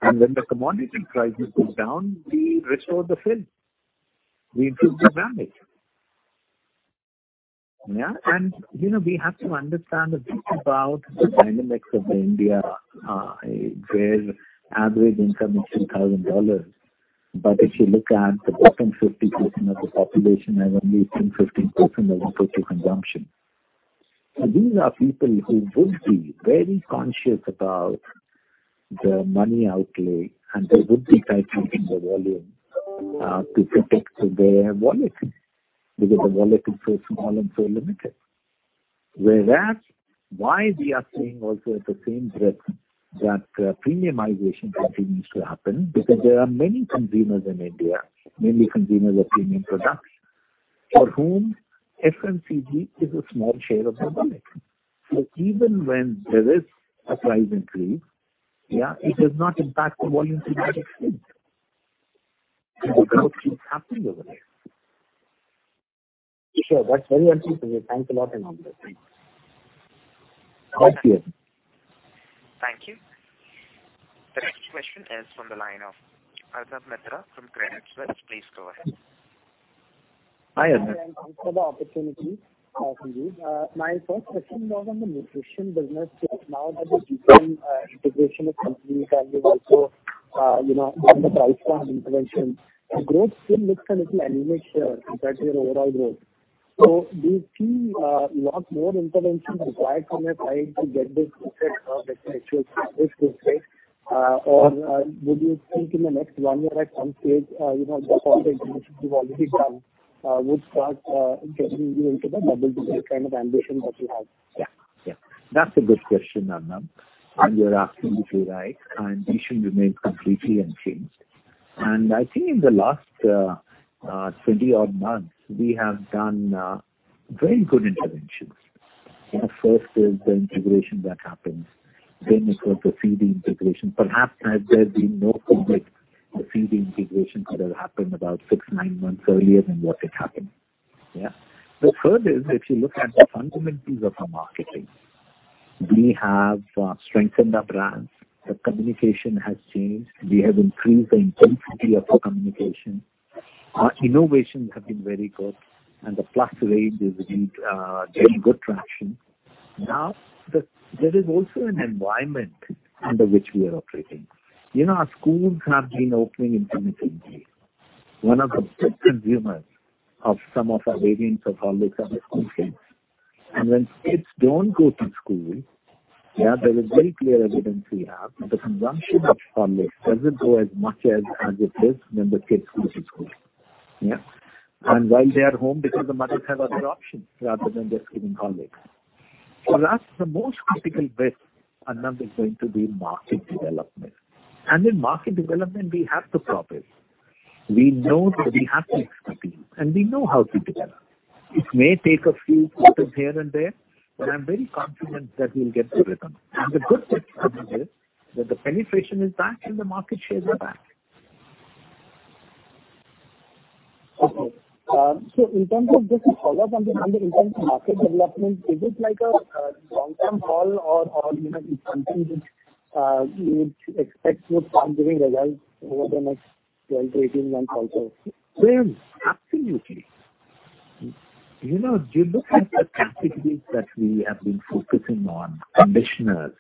When the commodity prices go down, we restore the fill. We improve the grammage. Yeah. You know, we have to understand a bit about the dynamics of India, where average income is $10,000. If you look at the bottom 50% of the population has only 10, 15% of total consumption. These are people who would be very conscious about their money outlay, and they would be tightening the volume to protect their wallet because the wallet is so small and so limited. Whereas why we are saying also at the same breath that premiumization continues to happen, because there are many consumers in India, many consumers of premium products for whom FMCG is a small share of their budget. Even when there is a price increase, yeah, it does not impact the volume to that extent. The growth keeps happening over there. Sure. That's very helpful. Thanks a lot, Anand. Thanks. Thank you. Thank you. The next question is from the line of Arnab Mitra from Credit Suisse. Please go ahead. Hi, Arnab. Thanks for the opportunity, Sanjiv. My first question was on the nutrition business. Now that the GSK integration is complete and you've also, you know, done the price point intervention, growth still looks a little anemic here compared to your overall growth. Do you see lot more interventions required from your side to get this effect or the actual effect to take effect? Or would you think in the next one year at some stage, you know, the cost efficiency you've already done would start getting you into the double-digit kind of ambition that you have? Yeah. That's a good question, Arnab. You're asking me why. We should remain completely unchanged. I think in the last 20-odd months, we have done very good interventions. The first is the integration that happens. It was the feeding integration. Perhaps had there been no conflict, the feeding integration could have happened about six-nine months earlier than when it happened. Yeah. The third is if you look at the fundamentals of our marketing, we have strengthened our brands. The communication has changed. We have increased the intensity of our communication. Our innovations have been very good, and the plus range is getting good traction. Now, there is also an environment under which we are operating. You know, our schools have been opening intermittently. One of the big consumers of some of our variants of Horlicks are the school kids. When kids don't go to school, yeah, there is very clear evidence we have that the consumption of Horlicks doesn't go as much as it is when the kids go to school, while they are home, because the mothers have other options rather than just giving Horlicks. For us, the most critical bet, Arnab, is going to be market development. In market development, we have to profit. We know that we have the expertise, and we know how to do that. It may take a few quarters here and there, but I'm very confident that we'll get the return. The good news for me is that the penetration is back and the market shares are back. Okay. In terms of just to follow up on that, in terms of market development, is it like a long-term call or you know, it's something which you would expect would start giving results over the next 12-18 months also? Well, absolutely. You know, you look at the categories that we have been focusing on, conditioners,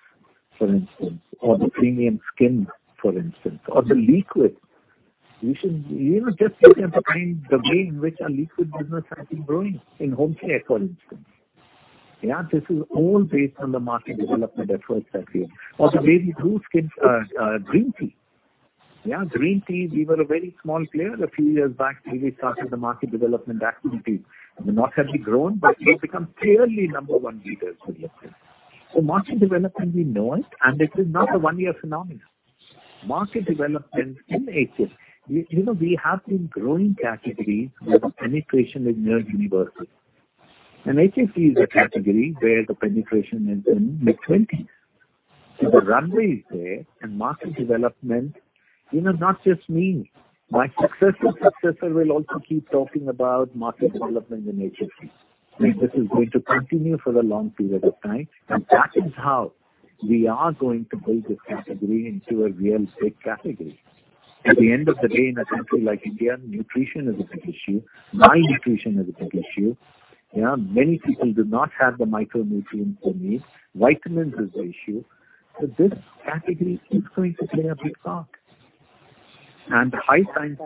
for instance, or the premium skin, for instance, or the liquid. You know, just look at the way in which our liquid business has been growing in home care, for instance. Yeah, this is all based on the market development efforts that we have. Or the baby food, skin, green tea. Yeah, green tea, we were a very small player a few years back till we started the market development activity. We've not only grown, but we've become clearly number one leaders in this space. So market development, we know it, and it is not a one-year phenomenon. Market development in HC. You know, we have been growing categories where the penetration is near universal. HC is a category where the penetration is in mid-20s%. The runway is there and market development, you know, not just me. My successor's successor will also keep talking about market development in HFD. This is going to continue for a long period of time, and that is how we are going to build this category into a real big category. At the end of the day, in a country like India, nutrition is a big issue. Malnutrition is a big issue. You know, many people do not have the micronutrients they need. Vitamins is a issue. This category is going to play a big part. High science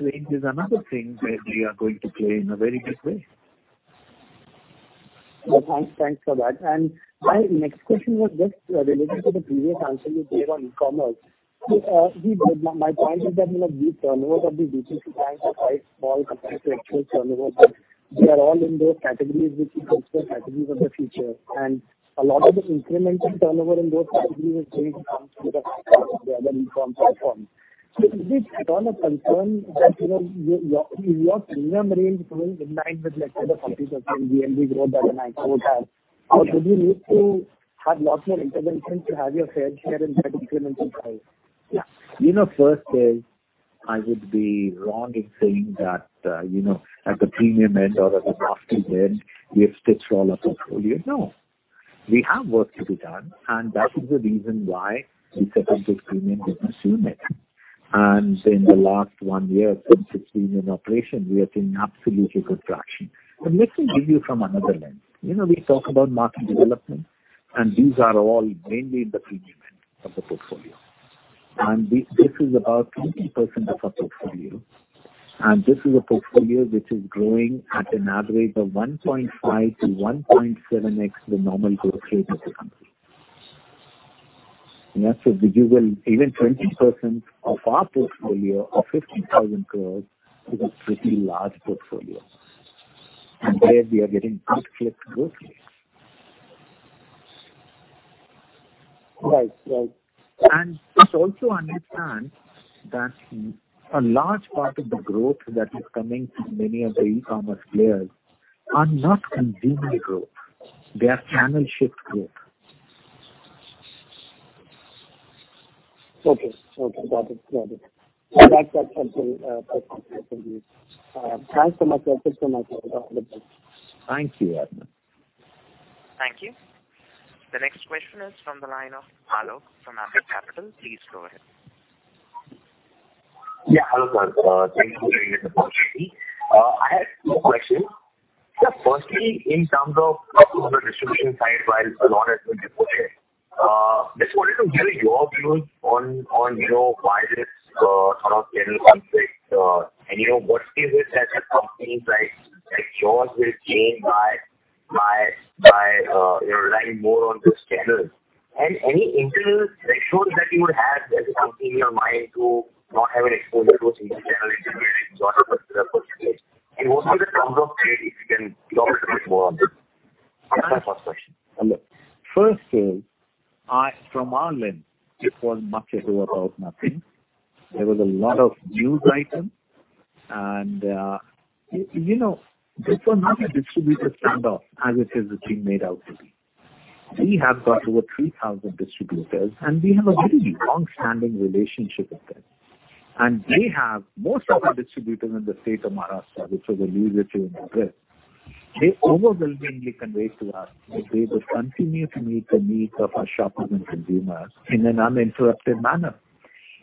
range is another thing where we are going to play in a very big way. Thanks. Thanks for that. My next question was just related to the previous answer you gave on e-commerce. My point is that, you know, the turnover of these businesses are quite small compared to actual turnover. They are all in those categories which you consider categories of the future. A lot of this incremental turnover in those categories is going to come through the other e-com platforms. Is it at all a concern that, you know, your premium range grows in line with let's say the 40% GMV growth that a Nykaa has? Do you need to have lots more interventions to have your fair share in that incremental pie? Yeah. You know, first is I would be wrong in saying that, you know, at the premium end or at the luxury end, we have stitched all our portfolio. No, we have work to be done, and that is the reason why we set up this premium business unit. In the last one year since it's been in operation, we have seen absolutely good traction. Let me give you from another lens. You know, we talk about market development, and these are all mainly the premium end of the portfolio. This is about 20% of our portfolio, and this is a portfolio which is growing at an average of 1.5x-1.7x the normal growth rate of the company. Yeah. You know, even 20% of our portfolio of 50,000 crore is a pretty large portfolio. There we are getting 8% growth rate. Right. Right. Please also understand that a large part of the growth that is coming from many of the e-commerce players are not consumer growth. They are channel shift growth. Okay. Got it. Yeah. I like that central perspective. Thanks so much. Thanks so much for your time. Thank you, Arnab Mitra. Thank you. The next question is from the line of Alok Shah from Ambit Capital. Please go ahead. Yeah, hello, sir. Thank you for giving me this opportunity. I have two questions. Firstly, in terms of the distribution side, while a lot has been reported, just wanted to hear your views on, you know, why this sort of general conflict, and, you know, what is it that the companies like yours will change by, you know, relying more on this channel. Any internal ratios that you would have as a company in your mind to not have an exposure to this channel in whatever percentage. Also the terms of trade, if you can talk a bit more on this. That's my first question. Hello. Firstly, from our lens, it was much ado about nothing. There was a lot of news items and you know, this was not a distributor standoff as it has been made out to be. We have got over 3,000 distributors, and we have a very long-standing relationship with them. Most of our distributors in the state of Maharashtra, which was the lead in this, overwhelmingly conveyed to us that they would continue to meet the needs of our shoppers and consumers in an uninterrupted manner.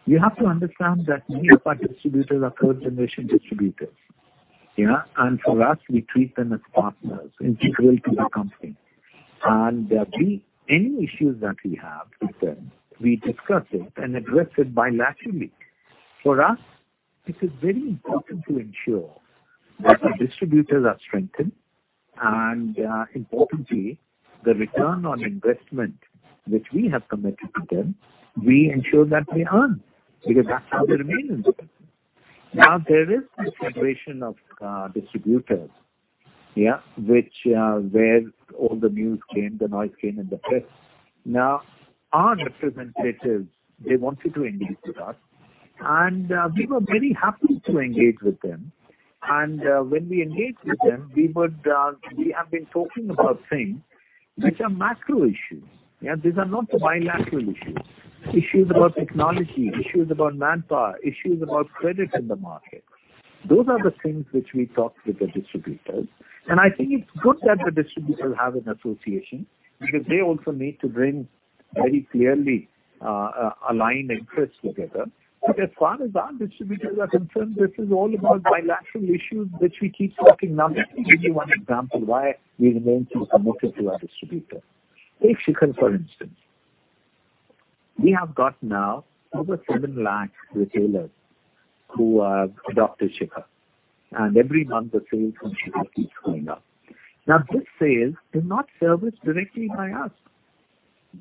You have to understand that many of our distributors are third generation distributors, yeah. For us, we treat them as partners integral to the company. Any issues that we have with them, we discuss it and address it bilaterally. For us, it is very important to ensure that our distributors are strengthened and, importantly, the return on investment which we have committed to them, we ensure that they earn, because that's how they remain in business. Now, there is a federation of distributors, which where all the news came, the noise came and the press. Now, our representatives they wanted to engage with us, and we were very happy to engage with them. When we engaged with them, we have been talking about things which are macro issues. These are not bilateral issues. Issues about technology, issues about manpower, issues about credit in the market. Those are the things which we talked with the distributors. I think it's good that the distributors have an association because they also need to bring very clearly aligned interests together. As far as our distributors are concerned, this is all about bilateral issues which we keep talking. Now, let me give you one example why we remain so committed to our distributor. Take Shikhar, for instance. We have got now over 7 lakh retailers who have adopted Shikhar, and every month the sales from Shikhar keeps going up. Now, this sales is not serviced directly by us.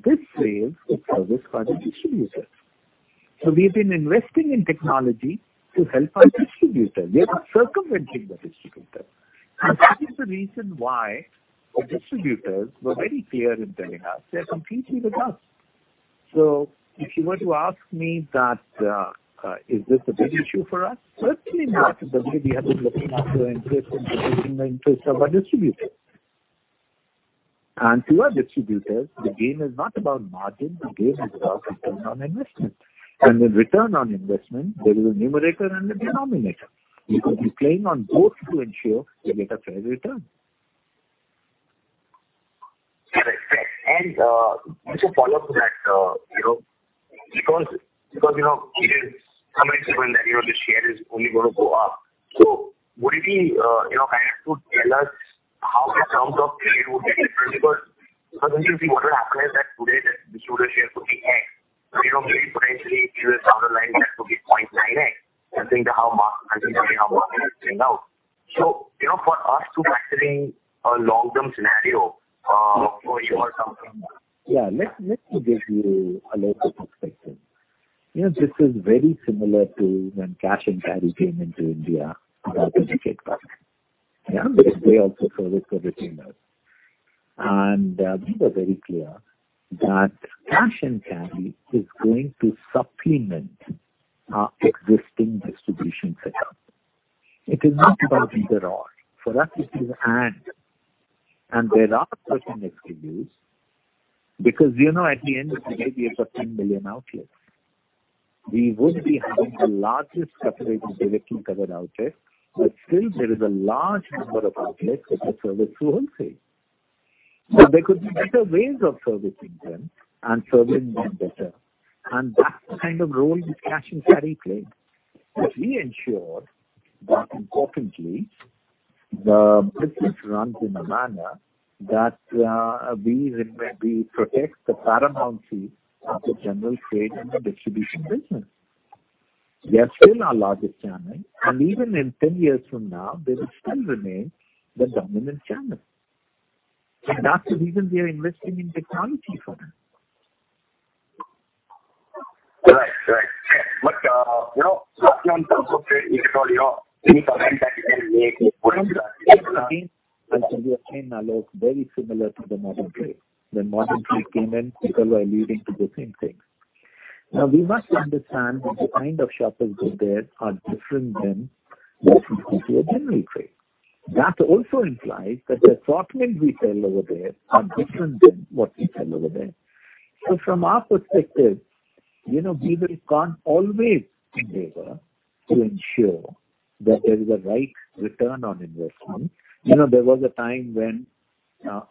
This sales is serviced by the distributors. We've been investing in technology to help our distributors. We are not circumventing the distributor. That is the reason why our distributors were very clear in telling us they're completely with us. I f you were to ask me that, is this a big issue for us? Personally, not. We have been looking after our interest and protecting the interest of our distributors. To our distributors, the game is not about margin, the game is about return on investment. In return on investment, there is a numerator and a denominator. You could be playing on both to ensure you get a fair return. Correct. Just a follow-up to that, you know, because you know, it is commonplace given that, you know, the share is only gonna go up. So would it be, you know, kind of to tell us how the terms of trade would be different? Because if you see what will happen is that today the distributor share could be X, but, you know, maybe potentially in the long run that could be 0.9X, depending on how margins or how market pans out. So, you know, for us to factor in a long-term scenario, for your company. Yeah. Let me give you a little perspective. You know, this is very similar to when cash and carry came into India about a decade back. Yeah. They also serviced the retailers. We were very clear that cash and carry is going to supplement our existing distribution setup. It is not about either or. For us it is and. There are certain exclusives because, you know, at the end of the day we have 10 million outlets. We would be having the largest separately directly covered outlets, but still there is a large number of outlets which are serviced through wholesale. There could be better ways of servicing them and serving them better. That's the kind of role which cash and carry played. We ensured that importantly the business runs in a manner that we protect the paramountcy of the general trade and the distribution business. They are still our largest channel, and even in 10 years from now, they will still remain the dominant channel. That's the reason we are investing in technology for them. Right. You know, [inaudible] Very similar to the modern trade. When modern trade came in, people were alluding to the same things. Now, we must understand that the kind of shoppers who are there are different than those who go to a general trade. That also implies that the assortment we sell over there are different than what we sell over there. From our perspective, you know, we will can't always endeavor to ensure that there is a right return on investment. You know, there was a time when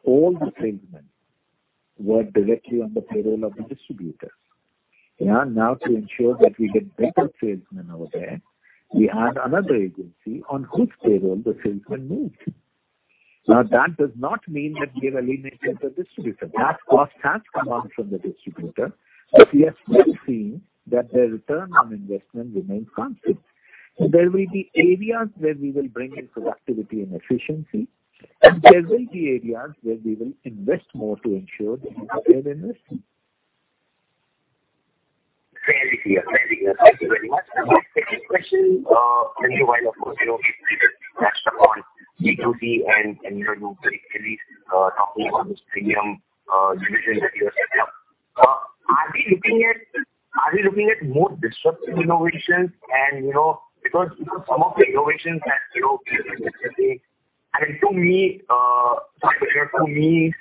all the salesmen were directly on the payroll of the distributor. Now, to ensure that we get better salesmen over there, we add another agency on whose payroll the salesman moves. Now, that does not mean that we are eliminating the distributor. That cost has come out from the distributor, but we have still seen that the return on investment remains constant. There will be areas where we will bring in productivity and efficiency, and there will be areas where we will invest more to ensure that we have made an investment. Fairly clear. Thank you very much. My second question, maybe while, of course, you know, we've touched upon D2C and, you know, you briefly talking about this premium division that you have set up. Are we looking at more disruptive innovations and, you know, because some of the innovations that, you know, we've been discussing, to me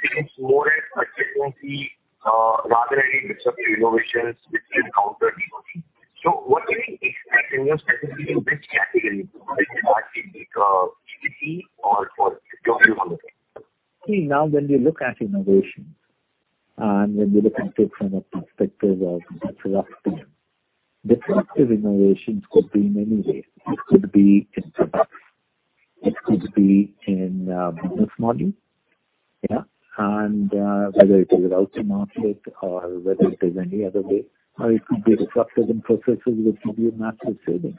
seems more as efficiency rather any disruptive innovations which will counter D2C. What can we expect, you know, specifically in which category, whether that be D2C or one of them? See, now, when we look at innovations, and when we look at it from a perspective of disruptive innovations could be in many ways. It could be in products, it could be in business model. Yeah. Whether it is route to outlet or whether it is any other way, or it could be disruptive in processes which give you massive savings.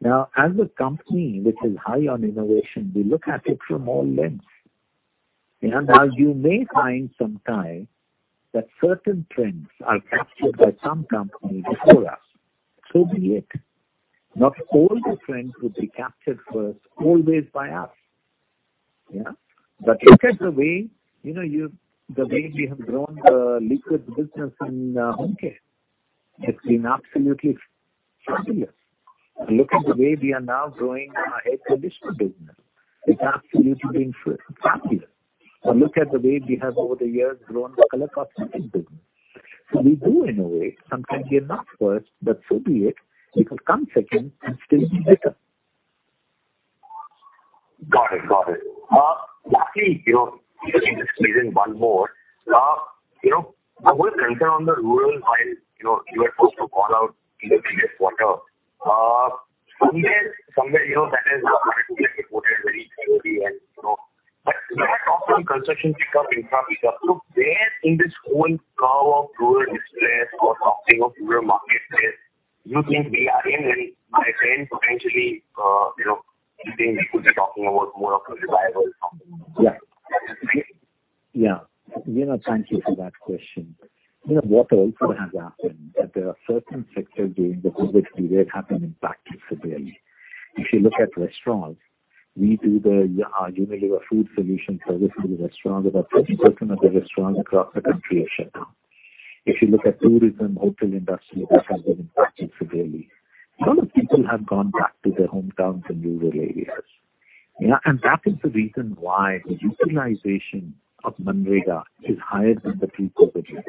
Now, as a company which is high on innovation, we look at it from all angles. Now you may find sometime that certain trends are captured by some companies before us, so be it. Not all the trends would be captured first always by us. Yeah. But look at the way, you know, the way we have grown the liquid business in home care. It's been absolutely fabulous. Look at the way we are now growing our air and fabric conditioner business. It's absolutely been fabulous. Look at the way we have, over the years, grown the color cosmetics business. We do innovate. Sometimes we are not first, but so be it. We will come second and still be better. Got it. Lastly, you know, just squeezing one more. You know, I was concerned on the rural, while, you know, you were supposed to call out in the previous quarter. Somewhere, you know, that has reported very heavily and, you know. When I talk to construction pickup, infra pickup. Where in this whole curve of rural distress or talking of rural market stress you think we are in, and by when potentially, you know, you think we could be talking about more of a revival from rural? You know, thank you for that question. You know, what also has happened that there are certain sectors during the COVID period have been impacted severely. If you look at restaurants, we do the Unilever Food Solutions service to the restaurants, about 30% of the restaurants across the country are shut down. If you look at tourism, hotel industry, they have been impacted severely. A lot of people have gone back to their hometowns and rural areas. That is the reason why the utilization of MGNREGA is higher than the pre-COVID years.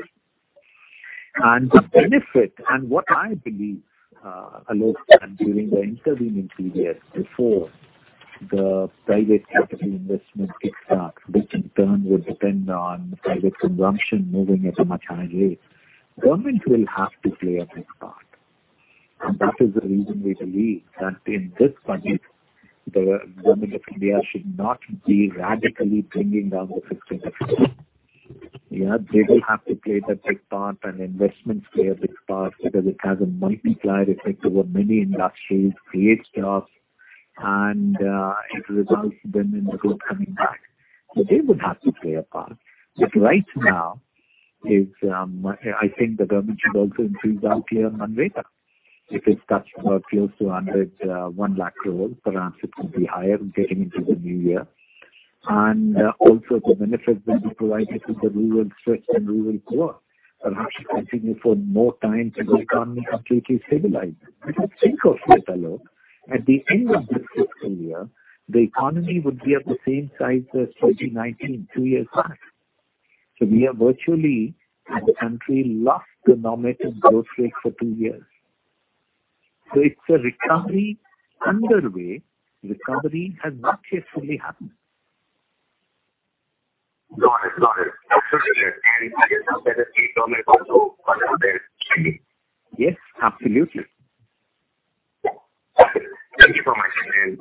The benefit, and what I believe, Alok, during the intervening period before the private capital investment kick-starts, which in turn would depend on private consumption moving at a much higher rate, government will have to play a big part. That is the reason we believe that in this budget, the government of India should not be radically bringing down the fiscal deficit. They will have to play that big part and investments play a big part because it has a multiplier effect over many industries, creates jobs and it results then in the growth coming back. They would have to play a part. Right now, I think the government should also increase outlay on MGNREGA. If it's touched close to one lakh crore, perhaps it could be higher getting into the new year. Also the benefits being provided to the rural stressed and rural poor perhaps should continue for more time till the economy completely stabilizes. Because think of it, Alok, at the end of this fiscal year, the economy would be at the same size as 2019, two years back. We have virtually as a country lost the nominal growth rate for two years. It's a recovery underway. Recovery has not yet fully happened. Got it. Absolutely. I guess now that the state government also are now their spending. Yes, absolutely. Yeah. Okay. Thank you for my time and,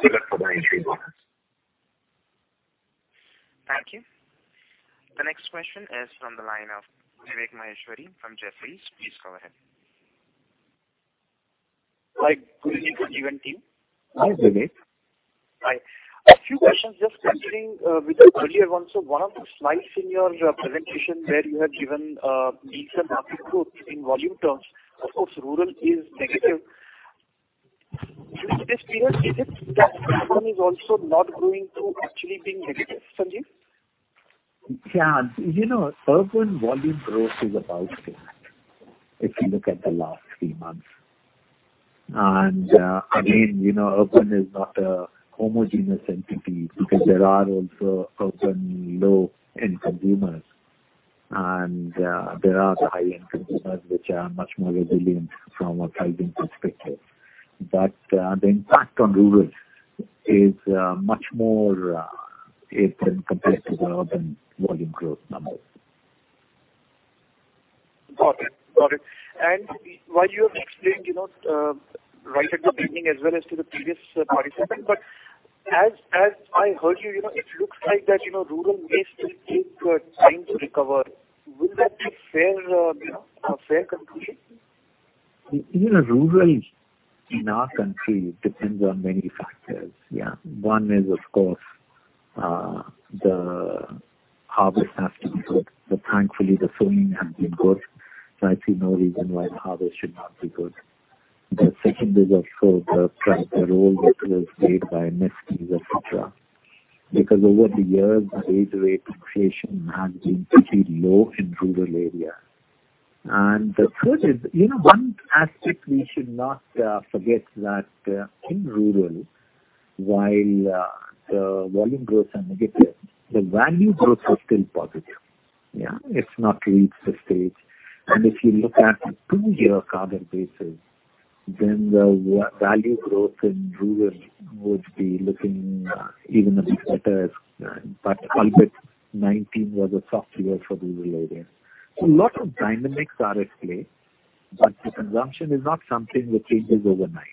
Sujat, for the intrigue also. Next question is from the line of Vivek Maheshwari from Jefferies. Please go ahead. Hi. Good evening, Sanjiv and team. Hi, Vivek. Hi. A few questions just continuing with the earlier ones. One of the slides in your presentation where you had given decent market growth in volume terms, of course rural is negative. During this period, is it that urban is also not growing to actually being negative, Sanjiv? Yeah. You know, urban volume growth is about stable, if you look at the last three months. again, you know, urban is not a homogeneous entity because there are also urban low-end consumers, and there are the high-end consumers which are much more resilient from a pricing perspective. the impact on rural is much more acute when compared to the urban volume growth numbers. Got it. While you have explained, you know, right at the beginning as well as to the previous participant, but as I heard you know, it looks like that, you know, rural may still take time to recover. Will that be fair, you know, a fair conclusion? You know, rural in our country depends on many factors. Yeah. One is, of course, the harvest has to be good. Thankfully the sowing has been good, so I see no reason why the harvest should not be good. The second is also the price, the role which was played by MSPs, etc. Because over the years, the wage rate inflation has been pretty low in rural area. The third is, you know, one aspect we should not forget that, in rural while the volume growths are negative, the value growth was still positive. Yeah. It's not reached the stage. If you look at the two-year calendar basis, then the value growth in rural would be looking even a bit better, but albeit 2019 was a soft year for rural areas. A lot of dynamics are at play, but the consumption is not something which changes overnight.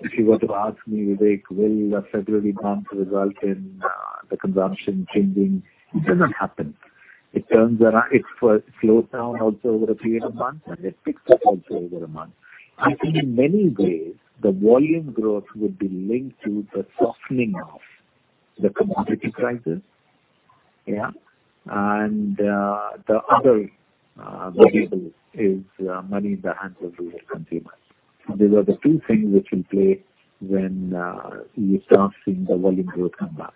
If you were to ask me, Vivek, will the February month result in the consumption changing? It doesn't happen. It turns around. It slows down also over a period of months, and it picks up also over a month. I think in many ways, the volume growth would be linked to the softening of the commodity prices. Yeah. The other variable is money in the hands of rural consumers. These are the two things which will play when you start seeing the volume growth come back.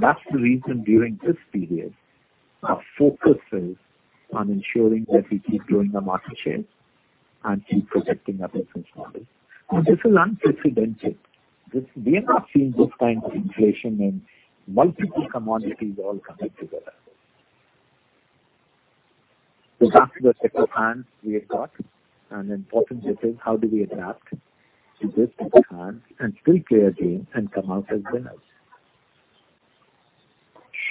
That's the reason during this period, our focus is on ensuring that we keep growing the market share and keep protecting our business model. Now, this is unprecedented. We have not seen this kind of inflation in multiple commodities all coming together. That's the set of hands we have got, and importantly is how do we adapt to this hand and still play a game and come out as winners.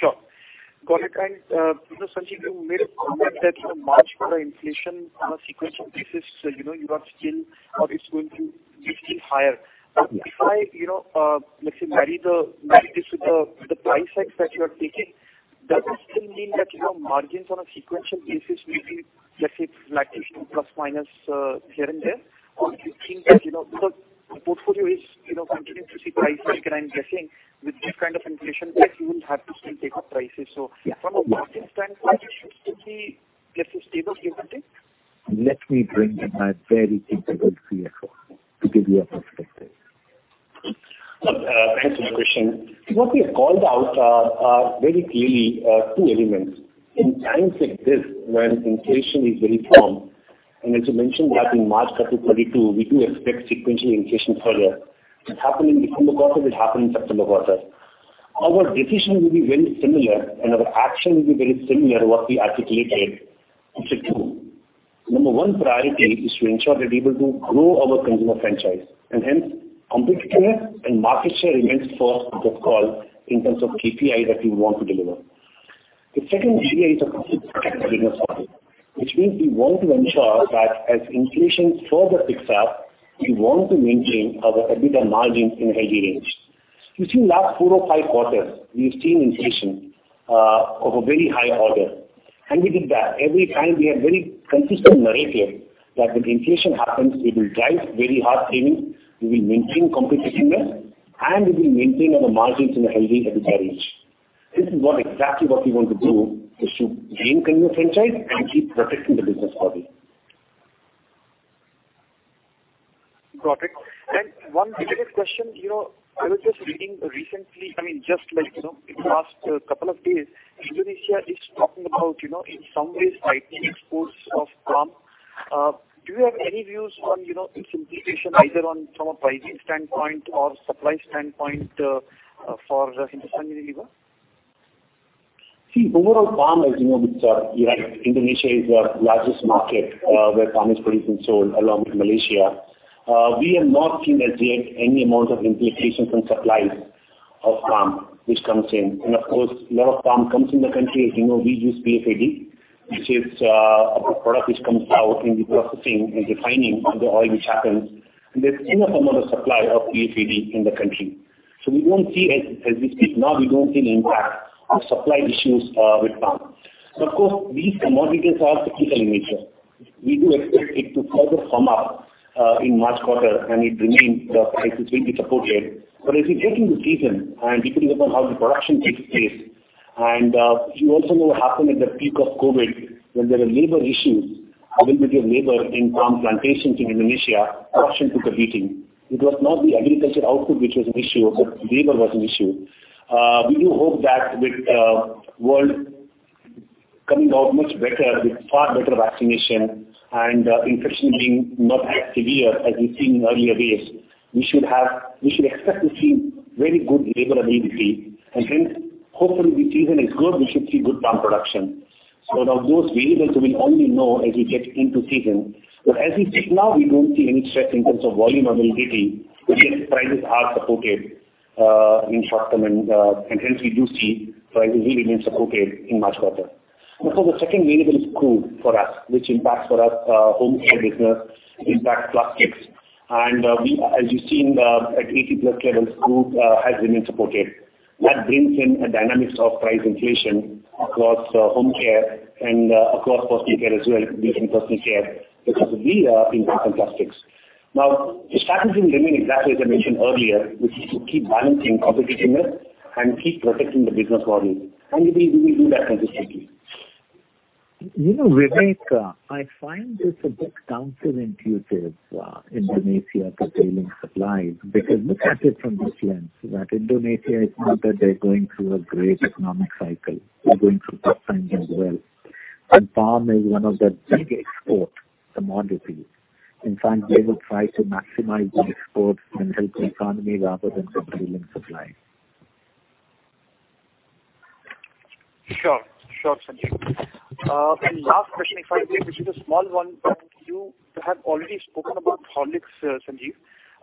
Sure. Got it. You know, Sanjiv, you made a comment that, you know, March quarter inflation on a sequential basis, you know, you are still or is going to be still higher. If I, you know, let's say marry this with the price hikes that you are taking, does it still mean that, you know, margins on a sequential basis may be, let's say, flat to 2%± here and there? Or do you think that, you know, because the portfolio is, you know, continuing to see price hike, and I'm guessing with this kind of inflation that you will have to still take up prices. So from a margin standpoint, should we see, let's say, stable given take? Let me bring in my very capable CFO to give you a perspective. Sure. Thanks for the question. See, what we have called out are very clearly two elements. In times like this when inflation is very firm, and as you mentioned that in March quarter 2022, we do expect sequential inflation further. What happened in the September quarter will happen in September quarter. Our decision will be very similar, and our action will be very similar to what we articulated in Q2. Number one priority is to ensure that we're able to grow our consumer franchise, and hence competitiveness and market share remains first of the call in terms of KPI that we want to deliver. The second KPI is of course to protect the business model, which means we want to ensure that as inflation further picks up, we want to maintain our EBITDA margin in a healthy range. You see, last four or five quarters, we've seen inflation of a very high order, and we did that. Every time we have very consistent narrative that when inflation happens, we will drive very hard premium, we will maintain competitiveness, and we will maintain our margins in a healthy EBITDA range. This is exactly what we want to do to gain consumer franchise and keep protecting the business model. Got it. One related question. You know, I was just reading recently, I mean, just like, you know, in the last couple of days, Indonesia is talking about, you know, in some ways tightening exports of palm. Do you have any views on, you know, its implication either on from a pricing standpoint or supply standpoint, for Hindustan Unilever? See, overall palm as you know, which, you're right, Indonesia is our largest market, where palm is produced and sold along with Malaysia. We have not seen as yet any amount of implications on supplies of palm which comes in. Of course, lot of palm comes in the country. As you know, we use PFAD, which is, a byproduct which comes out in the processing and refining of the oil which happens. There's enough amount of supply of PFAD in the country. We don't see. As we speak now, we don't see any impact of supply issues with palm. Of course, these commodities are cyclical in nature. We do expect it to further firm up in March quarter and it remains, prices will be supported. As we get into season and depending upon how the production takes place and if you also know what happened at the peak of COVID, when there were labor issues, availability of labor in palm plantations in Indonesia, production took a beating. It was not the agriculture output which was an issue, but labor was an issue. We do hope that with world coming out much better with far better vaccination and infection being not as severe as we've seen in earlier days, we should expect to see very good labor availability. And hence, hopefully the season is good, we should see good palm production. Now those variables we will only know as we get into season. As we speak now, we don't see any stress in terms of volume availability, but yes, prices are supported in short term and hence we do see prices will remain supported in March quarter. Now, of course, the second variable is crude for us, which impacts for us home care business, impacts plastics. As you've seen at 80+ levels, crude has remained supported. That brings in a dynamics of price inflation across home care and across personal care as well, be it in personal care because of [inaudible] in plastics. Now the strategy remains exactly as I mentioned earlier, which is to keep balancing competitiveness and keep protecting the business model, and we will do that consistently. You know, Vivek, I find this a bit counterintuitive, Indonesia curtailing supply because look at it from this lens, that Indonesia is not that they're going through a great economic cycle. They're going through tough times as well. Palm is one of their big export commodities. In fact, they will try to maximize their exports and help the economy rather than curtailing supply. Sure. Sure, Sanjiv. The last question finally, which is a small one, but you have already spoken about Horlicks, Sanjiv.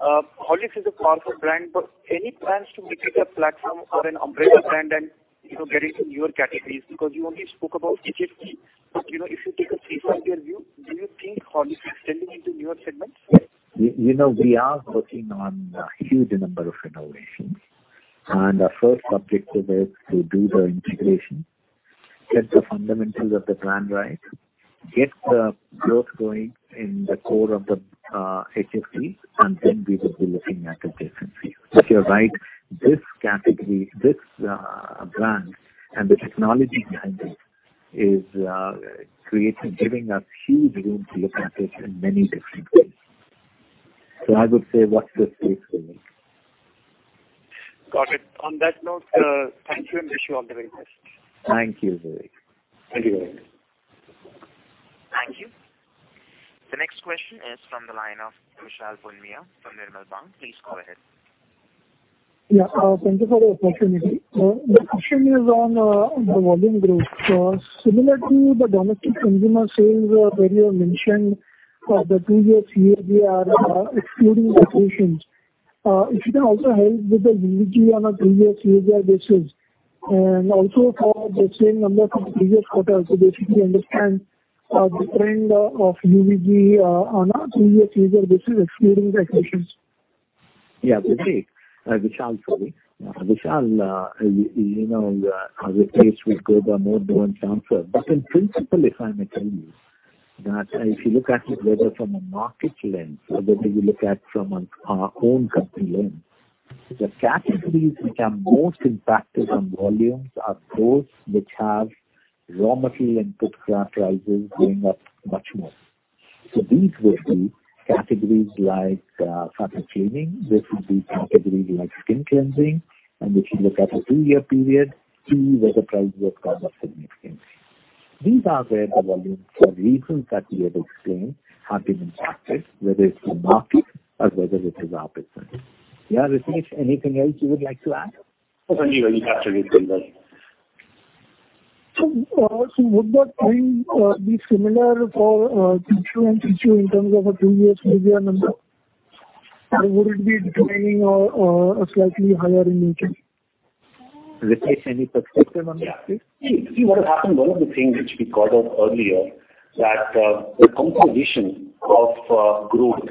Horlicks is a powerful brand, but any plans to make it a platform or an umbrella brand and, you know, get into newer categories? Because you only spoke about HFD, but, you know, if you take a three-five year view, do you think Horlicks extending into newer segments? You know, we are working on a huge number of innovations, and our first objective is to do the integration, get the fundamentals of the brand right, get the growth going in the core of the HFD, and then we will be looking at a different view. You're right, this category, this brand and the technology behind it is creating, giving us huge room to look at it in many different ways. I would say watch this space for me. Got it. On that note, thank you and wish you all the very best. Thank you, Vivek. Thank you very much. Thank you. The next question is from the line of Vishal Punmia from Nirmal Bang. Please go ahead. Thank you for the opportunity. The question is on the volume growth. Similar to the domestic consumer sales, where you have mentioned for the two-year CAGR are excluding acquisitions. If you can also help with the UVG on a two-year CAGR basis, and also for the same number from previous quarters to basically understand the trend of UVG on a two-year CAGR basis excluding the acquisitions. Yeah. Vishal, sorry. Vishal, you know, as a case we go by more volume terms. But in principle, if I may tell you that if you look at it whether from a market lens or whether you look at from our own company lens, the categories which are most impacted on volumes are those which have raw material input price rises going up much more. So these would be categories like surface cleaning. This would be categories like skin cleansing. And if you look at a two-year period, too, where the price would have gone up significantly. These are where the volumes for reasons that we have explained have been impacted, whether it's the market or whether it is our business. Yeah, Ritesh, anything else you would like to add? No, Sanjiv. I think that's a good summary. Would that trend be similar for Q2 and Q2 in terms of a two-year CAGR number? Or would it be declining or slightly higher in Q2? Ritesh, any perspective on that, please? See what has happened, one of the things which we called out earlier, that the composition of growth,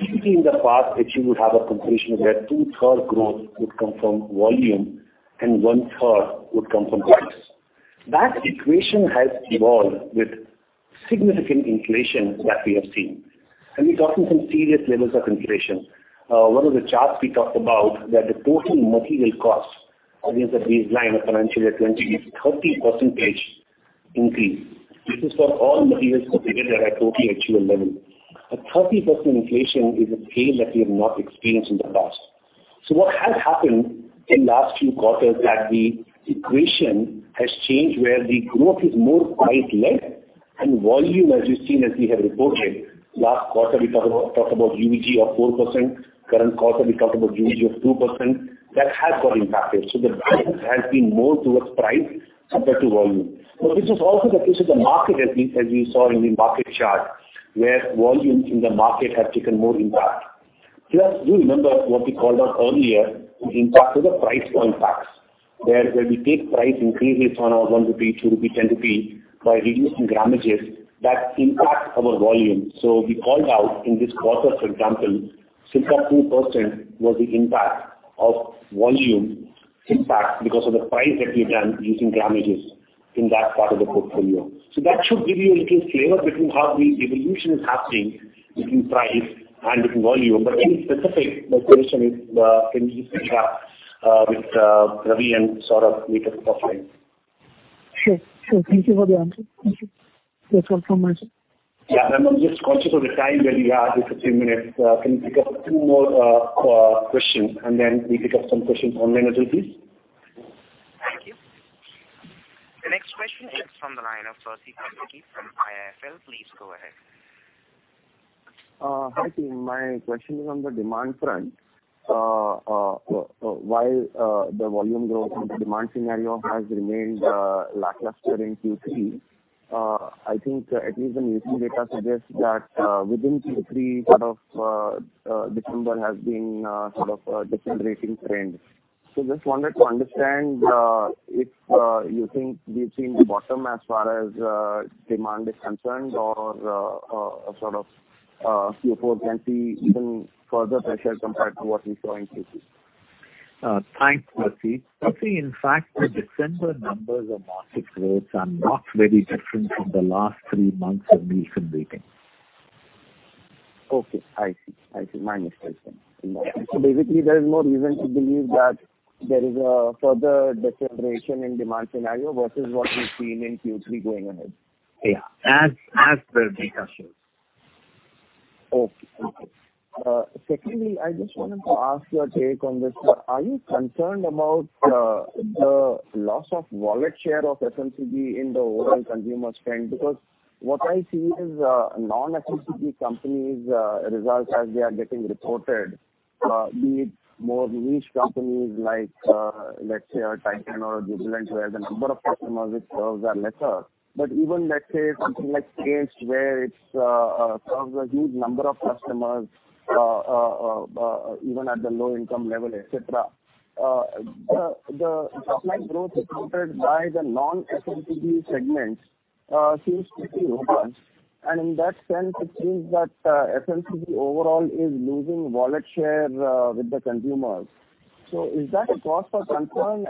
typically in the past if you would have a composition where two-thirds growth would come from volume and one-third would come from price. That equation has evolved with significant inflation that we have seen, and we've gotten some serious levels of inflation. One of the charts we talked about, that the total material costs against the baseline of financial year 2020 is 30% increase. This is for all materials put together at total ACH level. A 30% inflation is a scale that we have not experienced in the past. What has happened in last few quarters that the equation has changed where the growth is more price-led and volume, as you've seen, as we have reported. Last quarter we talk about UVG of 4%, current quarter we talk about UVG of 2%, that has got impacted. The balance has been more towards price compared to volume. This is also the case with the market as we saw in the market chart, where volumes in the market have taken more impact. Plus, you remember what we called out earlier, which impacted the price-point packs. Where we take price increases on our 1 rupee, 2 rupee, 10 rupee by reducing grammages, that impacts our volume. We called out in this quarter, for example, 16% was the impact of volume impact because of the price that we have done using grammages in that part of the portfolio. That should give you a little flavor between how the evolution is happening between price and between volume. Any specific, the question is, can you pick up with Ravi and Saurabh later for price. Sure. Thank you for the answer. Thank you. That's all from my side. Yeah. I'm just conscious of the time that we have, just a few minutes. Can you pick up two more questions and then we pick up some questions online as well, please? Thank you. The next question is from the line of Percy Panthaki from IIFL. Please go ahead. Hi, team. My question is on the demand front. While the volume growth in the demand scenario has remained lackluster in Q3, I think at least the recent data suggests that within Q3, sort of, December has been sort of a decelerating trend. Just wanted to understand if you think we've seen the bottom as far as demand is concerned or sort of Q4 can see even further pressure compared to what we saw in Q3. Thanks, Percy. Percy, in fact, the December numbers of market growth are not very different from the last three months of NielsenIQ data. Okay. I see. My mistake then. Yeah. Basically, there is no reason to believe that there is a further deceleration in demand scenario versus what we've seen in Q3 going ahead. Yeah. As the data shows. Okay. Secondly, I just wanted to ask your take on this. Are you concerned about the loss of wallet share of FMCG in the overall consumer spend? Because what I see is non-FMCG companies results as they are getting reported, be it more niche companies like let's say a Titan or a Godrej where the number of customers it serves are lesser. Even let's say something like Page where it's even at the low income level, et cetera. The top line growth accounted by the non-FMCG segments seems to be robust. In that sense it seems that FMCG overall is losing wallet share with the consumers. Is that a cause for concern?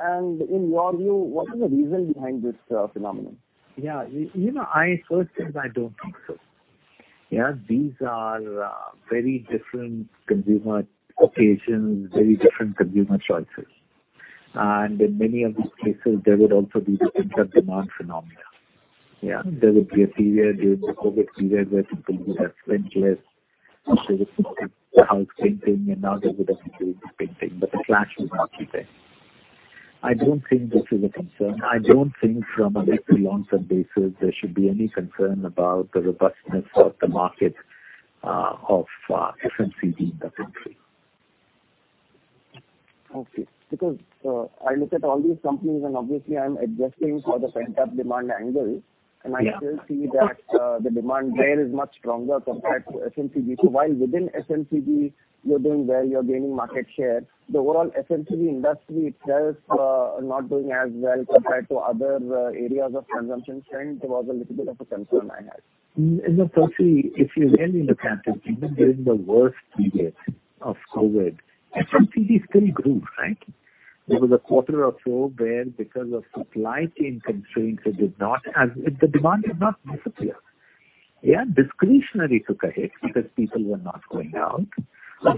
In your view, what is the reason behind this phenomenon? Yeah. You know, firstly, I don't think so. Yeah, these are very different consumer occasions, very different consumer choices. In many of these cases there would also be different demand phenomena. Yeah, there would be a period during the COVID period where people would have spent less on household items like house painting, and now they would have engaged in painting. The flash is not keeping. I don't think this is a concern. I don't think from a mid to long-term basis there should be any concern about the robustness of the market of FMCG in the country. Okay. Because, I look at all these companies and obviously I'm adjusting for the pent-up demand angle. Yeah. I still see that the demand there is much stronger compared to FMCG. While within FMCG you're doing well, you're gaining market share, the overall FMCG industry itself not doing as well compared to other areas of consumption spend was a little bit of a concern I had. No, Percy, if you really look at it, even during the worst period of COVID, FMCG still grew, right? Yeah. There was a quarter or so where because of supply chain constraints, the demand did not disappear. Yeah, discretionary took a hit because people were not going out.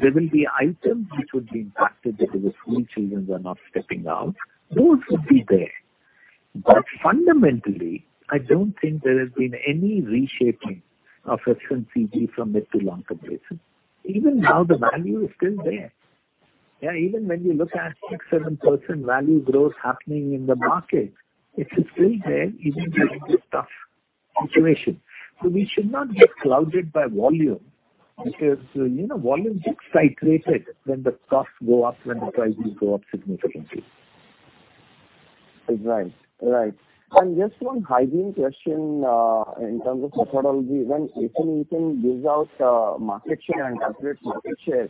There will be items which would be impacted because the school children are not stepping out. Those would be there. Fundamentally, I don't think there has been any reshaping of FMCG from a mid to long-term basis. Even now, the value is still there. Yeah, even when you look at 6%-7% value growth happening in the market, it is still there even during this tough situation. We should not get clouded by volume because, you know, volume gets cyclical when the costs go up, when the prices go up significantly. Right. Just one hygiene question in terms of methodology. When NielsenIQ gives out market share and calculates market share,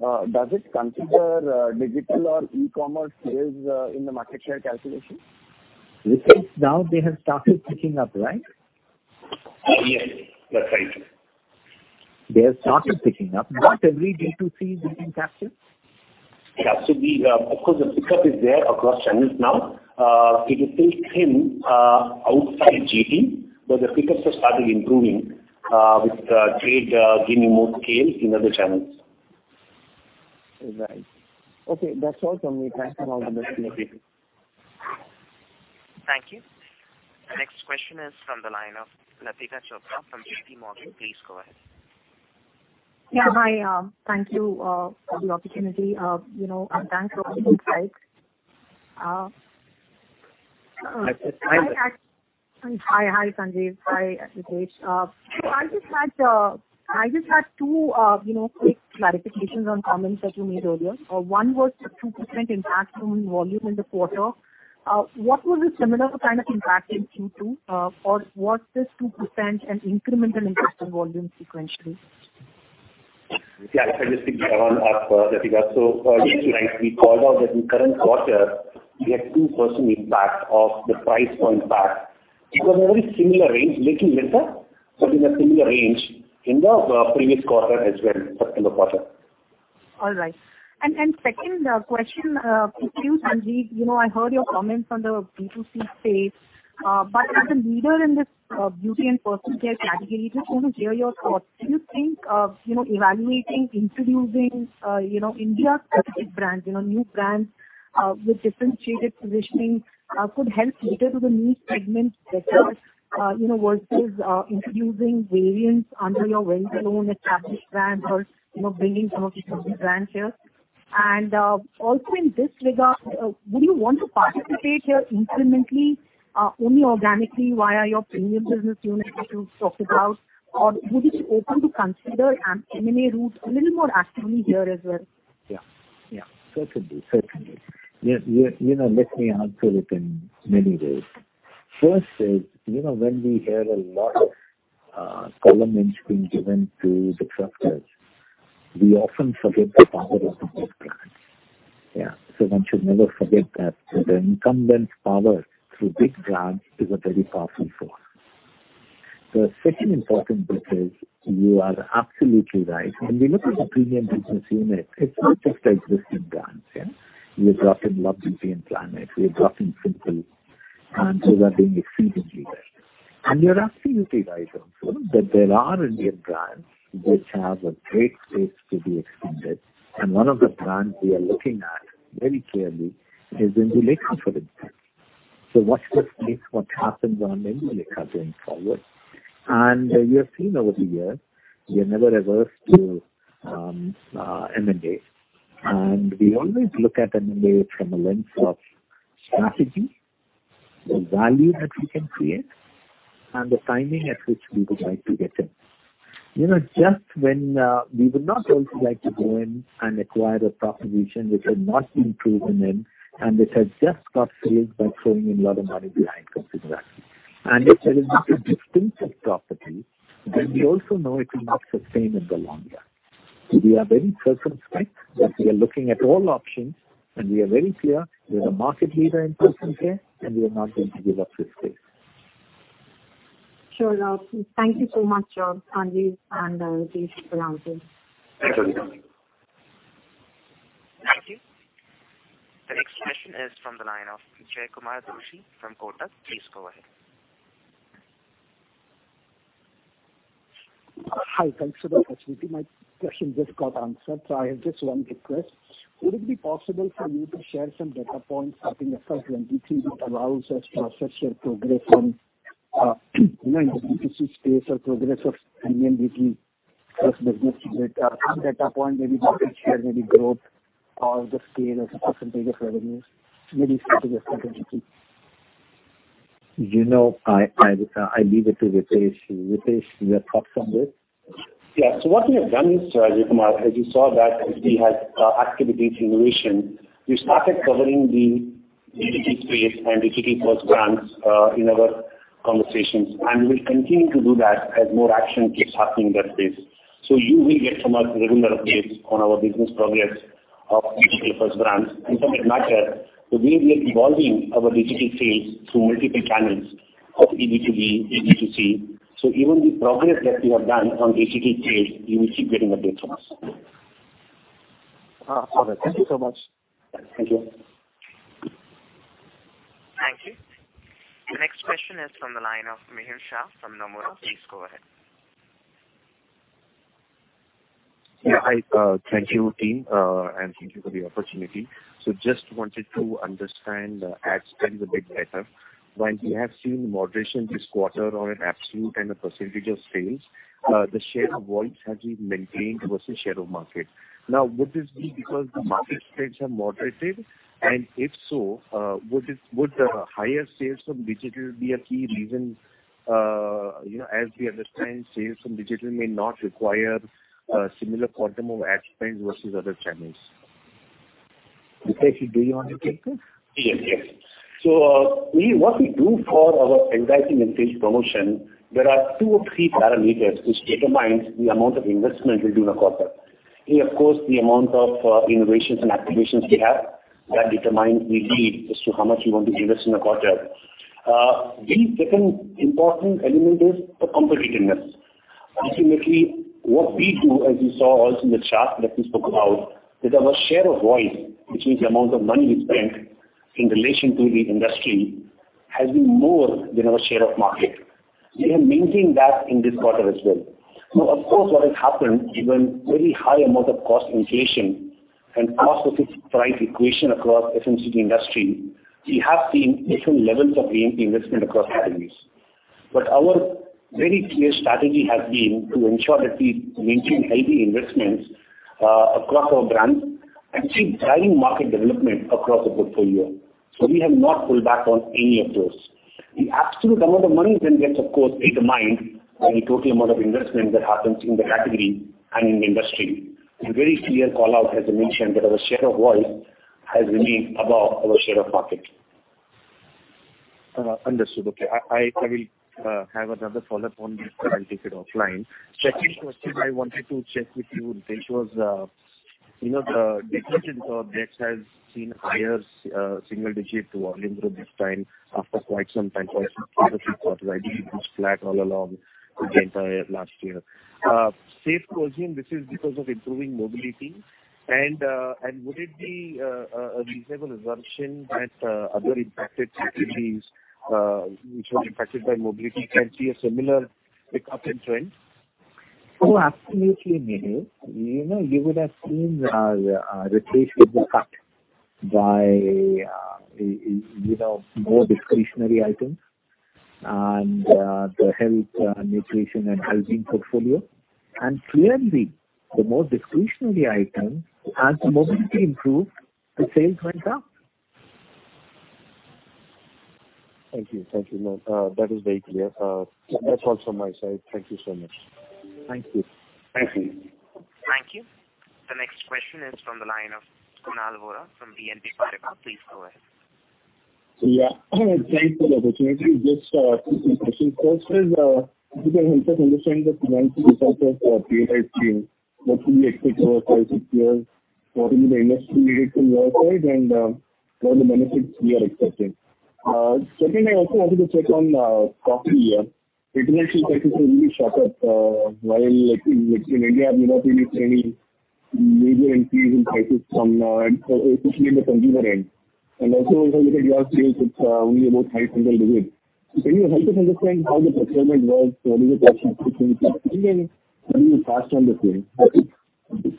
does it consider digital or e-commerce sales in the market share calculation? NielsenIQ, now they have started picking up, right? Yes. That's right. They have started picking up. Not every D2C we can capture. Yeah. Of course, the pickup is there across channels now. It is still thin outside GD, but the pickups are slowly improving with trade giving more scale in other channels. Right. Okay. That's all from me. Thank you for all the best, [Nifty]. Thank you. The next question is from the line of Latika Chopra from JPMorgan. Please go ahead. Yeah. Hi. Thank you for the opportunity. You know, and thanks for all the insights. Hi, P- Hi. Hi, Sanjiv. Hi, Ritesh. I just had two, you know, quick clarifications on comments that you made earlier. One was the 2% impact on volume in the quarter. What was the similar kind of impact in Q2? Or what is 2% an incremental impact on volume sequentially? If I just pick up, Latika. Yesterday we called out that in current quarter we had 2% impact of the price point back. It was a very similar range, maybe lesser, but in a similar range in the previous quarter as well, September quarter. All right. Second question to you, Sanjiv. You know, I heard your comments on the D2C space. But as a leader in this beauty and personal care category, I just wanna hear your thoughts. Do you think, you know, evaluating, introducing, you know, Indian specific brands, you know, new brands with differentiated positioning could help cater to the niche segments better, you know, versus introducing variants under your well-known established brands or, you know, bringing some of your brands here? Also in this regard, would you want to participate here incrementally only organically via your premium business unit that you've talked about? Or would you be open to consider an M&A route a little more actively here as well? You know, let me answer it in many ways. First is, you know, when we hear a lot of prominence being given to disruptors, we often forget the power of the whole brand. One should never forget that the incumbent's power through big brands is a very powerful force. The second important bit is you are absolutely right. When we look at the premium business unit, it's not just existing brands. We've brought in Love Beauty and Planet, we've brought in Simple, and those are doing exceedingly well. You're absolutely right also that there are Indian brands which have a great space to be expanded, and one of the brands we are looking at very clearly is in the makeup, for instance. Watch this space what happens on makeup going forward. You have seen over the years, we are never averse to M&As. We always look at M&A from a lens of strategy, the value that we can create, and the timing at which we would like to get in. You know, just when we would not also like to go in and acquire a proposition which has not been proven in, and which has just got sales by throwing in a lot of money behind consumer. If there is not a distinctive property, then we also know it will not sustain in the long run. We are very circumspect, but we are looking at all options, and we are very clear we are the market leader in personal care, and we are not going to give up this space. Sure. Thank you so much, Sanjiv and Ritesh for the answers. Thank you. Thank you. Thank you. The next question is from the line of Jaykumar Doshi from Kotak. Please go ahead. Hi. Thanks for the opportunity. My question just got answered, so I have just one request. Would it be possible for you to share some data points, something as per D2C that allows us to assess your progress on, in the D2C space or progress of DNVB first business unit, data point, maybe market share, maybe growth or the scale as a percentage of revenues, maybe specific to D2C? You know, I leave it to Ritesh. Ritesh, your thoughts on this? Yeah. What we have done is, Jaykumar, as you saw that we had activated innovation, we started covering the D2C space and D2C plus brands in our conversations. We'll continue to do that as more action keeps happening in that space. You will get from us regular updates on our business progress of D2C plus brands. For that matter, the way we are evolving our digital sales through multiple channels of B2B, D2C. Even the progress that we have done on D2C sales, you will keep getting updates from us. Got it. Thank you so much. Thank you. Thank you. The next question is from the line of Mihir Shah from Nomura. Please go ahead. Yeah, hi. Thank you team, and thank you for the opportunity. Just wanted to understand ad spends a bit better. While we have seen moderation this quarter on an absolute and a percentage of sales, the share of voice has been maintained versus share of market. Now, would this be because the market spends have moderated? If so, would higher sales from digital be a key reason? You know, as we understand, sales from digital may not require a similar quantum of ad spend versus other channels. Ritesh, you do want to take this? What we do for our incentives and sales promotion, there are two or three parameters which determine the amount of investment we do in a quarter. A, of course, the amount of innovations and activations we have that determine the level as to how much we want to invest in a quarter. The second important element is the competitiveness. Ultimately, what we do, as you saw also in the chart that we spoke about, is our share of voice, which means the amount of money we spent in relation to the industry, has been more than our share of market. We have maintained that in this quarter as well. Now, of course, what has happened given very high amount of cost inflation and price escalation across FMCG industry, we have seen different levels of investment across categories. Our very clear strategy has been to ensure that we maintain healthy investments across our brands and driving market development across the portfolio. We have not pulled back on any of those. The absolute amount of money then gets, of course, determined by the total amount of investment that happens in the category and in the industry. A very clear call-out, as I mentioned, that our share of voice has remained above our share of market. Understood. Okay. I will have another follow-up on this, but I'll take it offline. Second question I wanted to check with you, which was, you know, the detergent mix has seen higher single digit volume growth this time after quite some time flat all along the entire last year. Safe to assume this is because of improving mobility? Would it be a reasonable assumption that other impacted categories, which were impacted by mobility, can see a similar pickup in trend? Oh, absolutely, Mihir Shah. You know, you would have seen, replacement cut by you know, more discretionary items and the health, nutrition and hygiene portfolio. Clearly, the more discretionary item, as mobility improved, the sales went up. Thank you. No, that is very clear. That's all from my side. Thank you so much. Thank you. Thank you. Thank you. The next question is from the line of Kunal Vora from BNP Paribas. Please go ahead. Yeah. Thanks for the opportunity. Just two quick questions. First is, if you can help us understand the financial resources for, [inaudible] what should we expect over five-six years? What will be the industry mix from your side, and what are the benefits we are expecting? Second, I also wanted to check on coffee here. International prices have really shot up, while like in India we've not really seen any major increase in prices from especially in the consumer end. If I look at your sales, it's only about high single digits. Can you help us understand how the procurement was? What is your pricing strategy? Then can you pass on the same?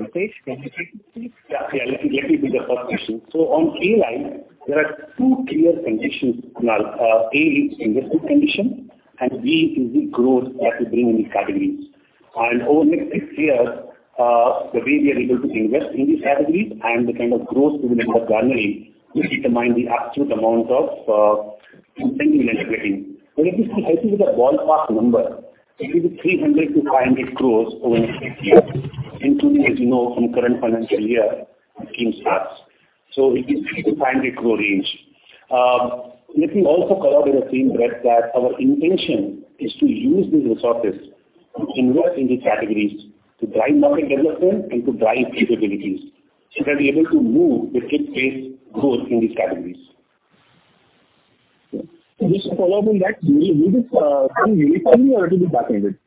Okay. Can you hear me please? Let me be the first issue. On PLI, there are two clear conditions, Kunal. A is investment condition, and B is the growth that we bring in these categories. Over next six years, the way we are able to invest in these categories and the kind of growth we will end up garnering will determine the absolute amount of investment we end up making. If this can help you with a ballpark number, it will be 300 crore-500 crore over next six years, including, as you know, from current financial year when scheme starts. It is INR 300-INR 500 crore range. Let me also elaborate with the same breadth that our intention is to use these resources to invest in these categories to drive market development and to drive capabilities, so that we are able to move with good pace growth in these categories. Just a follow-up on that. Will this come immediately or it'll be backended? Well, as I mentioned, we should be linked, of course, say first of all,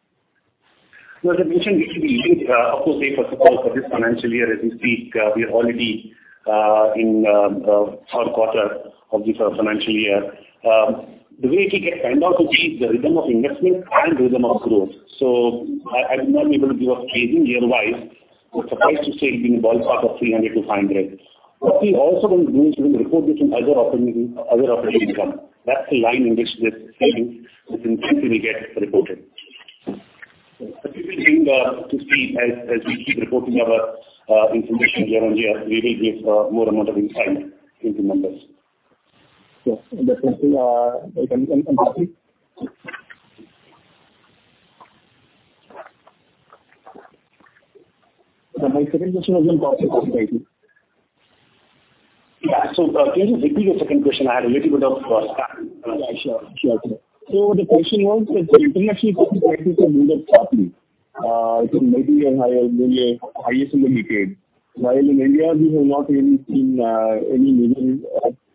for this financial year as we speak, we are already in third quarter of this financial year. The way we get timed out is the rhythm of investment and rhythm of growth. I will not be able to give a timing year-wise, but suffice to say it'll be in the ballpark of 300-500. What we're also going to do is we'll report this in other operating income. That's the line in which this revenue, this investment will get reported. You will begin to see as we keep reporting our information year-on-year, we will give more amount of insight into numbers. Yes. My second question was on coffee, sorry. Yeah. Can you repeat your second question? I had a little bit of static. Yeah, sure. The question was that the international prices have moved up sharply. It may be a high, maybe highest in the decade. While in India we have not really seen any major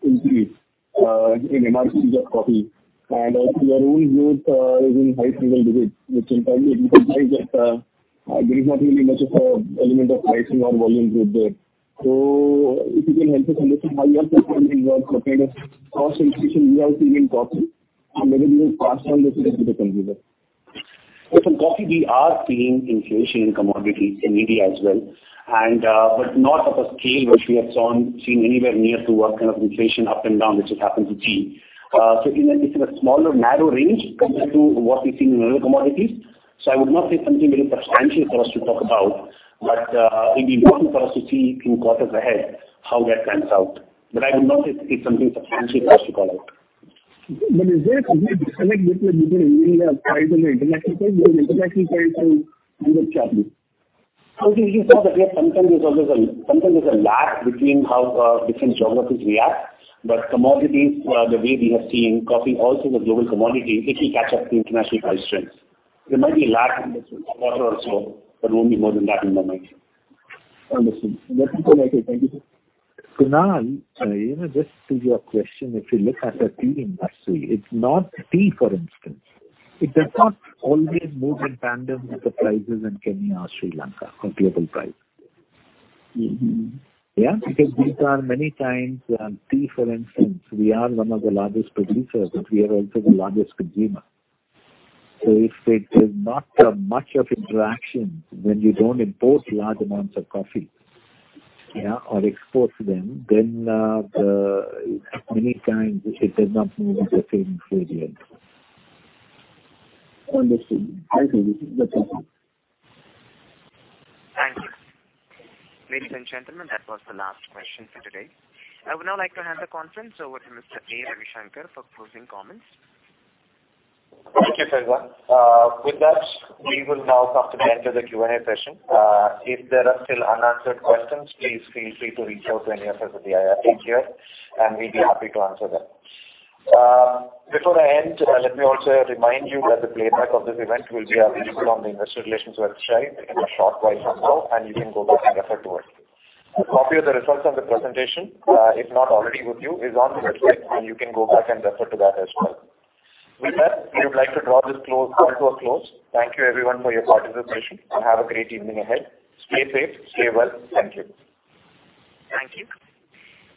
increase in MRPs of coffee. Your own growth is in high single digits, which implies that there is not really much of an element of pricing or volume growth there. If you can help us understand how you are pricing and what kind of cost inflation you are seeing in coffee, and whether you will pass on this to the consumer. For coffee we are seeing inflation in commodities in India as well, and but not of a scale which we have seen anywhere near to what kind of inflation up and down which we've happened to see. It's in a smaller narrow range compared to what we've seen in other commodities. I would not say something very substantial for us to talk about. It'll be important for us to see in quarters ahead how that pans out. I would not say it's something substantial for us to call out. Is there a disconnect between India and global international price? Because internationally prices have moved sharply. Okay. You saw that, yeah, sometimes there's a lag between how different geographies react. Commodities, the way we have seen, coffee also is a global commodity, it will catch up to international price trends. There might be a lag in this quarter or so, but it won't be more than that in my mind. Understood. Nothing further. Thank you. Kunal, you know, just to your question, if you look at the tea industry, it's not, for instance. It does not always move in tandem with the prices in Kenya or Sri Lanka or global prices. Mm-hmm. Yeah. Because these are many times, tea for instance, we are one of the largest producers, but we are also the largest consumer. If it is not much of interaction when we don't import large amounts of coffee or export to them, then many times it does not move at the same speed. Understood. I see. That's all. Thank you. Ladies and gentlemen, that was the last question for today. I would now like to hand the conference over to Mr. A. Ravishankar for closing comments. Thank you, Faizan. With that, we will now come to the end of the Q&A session. If there are still unanswered questions, please feel free to reach out to any of us at the IR team here, and we'd be happy to answer them. Before I end, let me also remind you that the playback of this event will be available on the investor relations website in a short while from now, and you can go back and refer to it. A copy of the results and the presentation, if not already with you, is on the website, and you can go back and refer to that as well. With that, we would like to draw this to a close. Thank you everyone for your participation, and have a great evening ahead. Stay safe, stay well. Thank you. Thank you.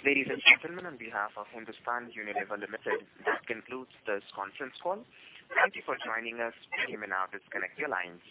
Ladies and gentlemen, on behalf of Hindustan Unilever Limited, this concludes this conference call. Thank you for joining us. You may now disconnect your lines.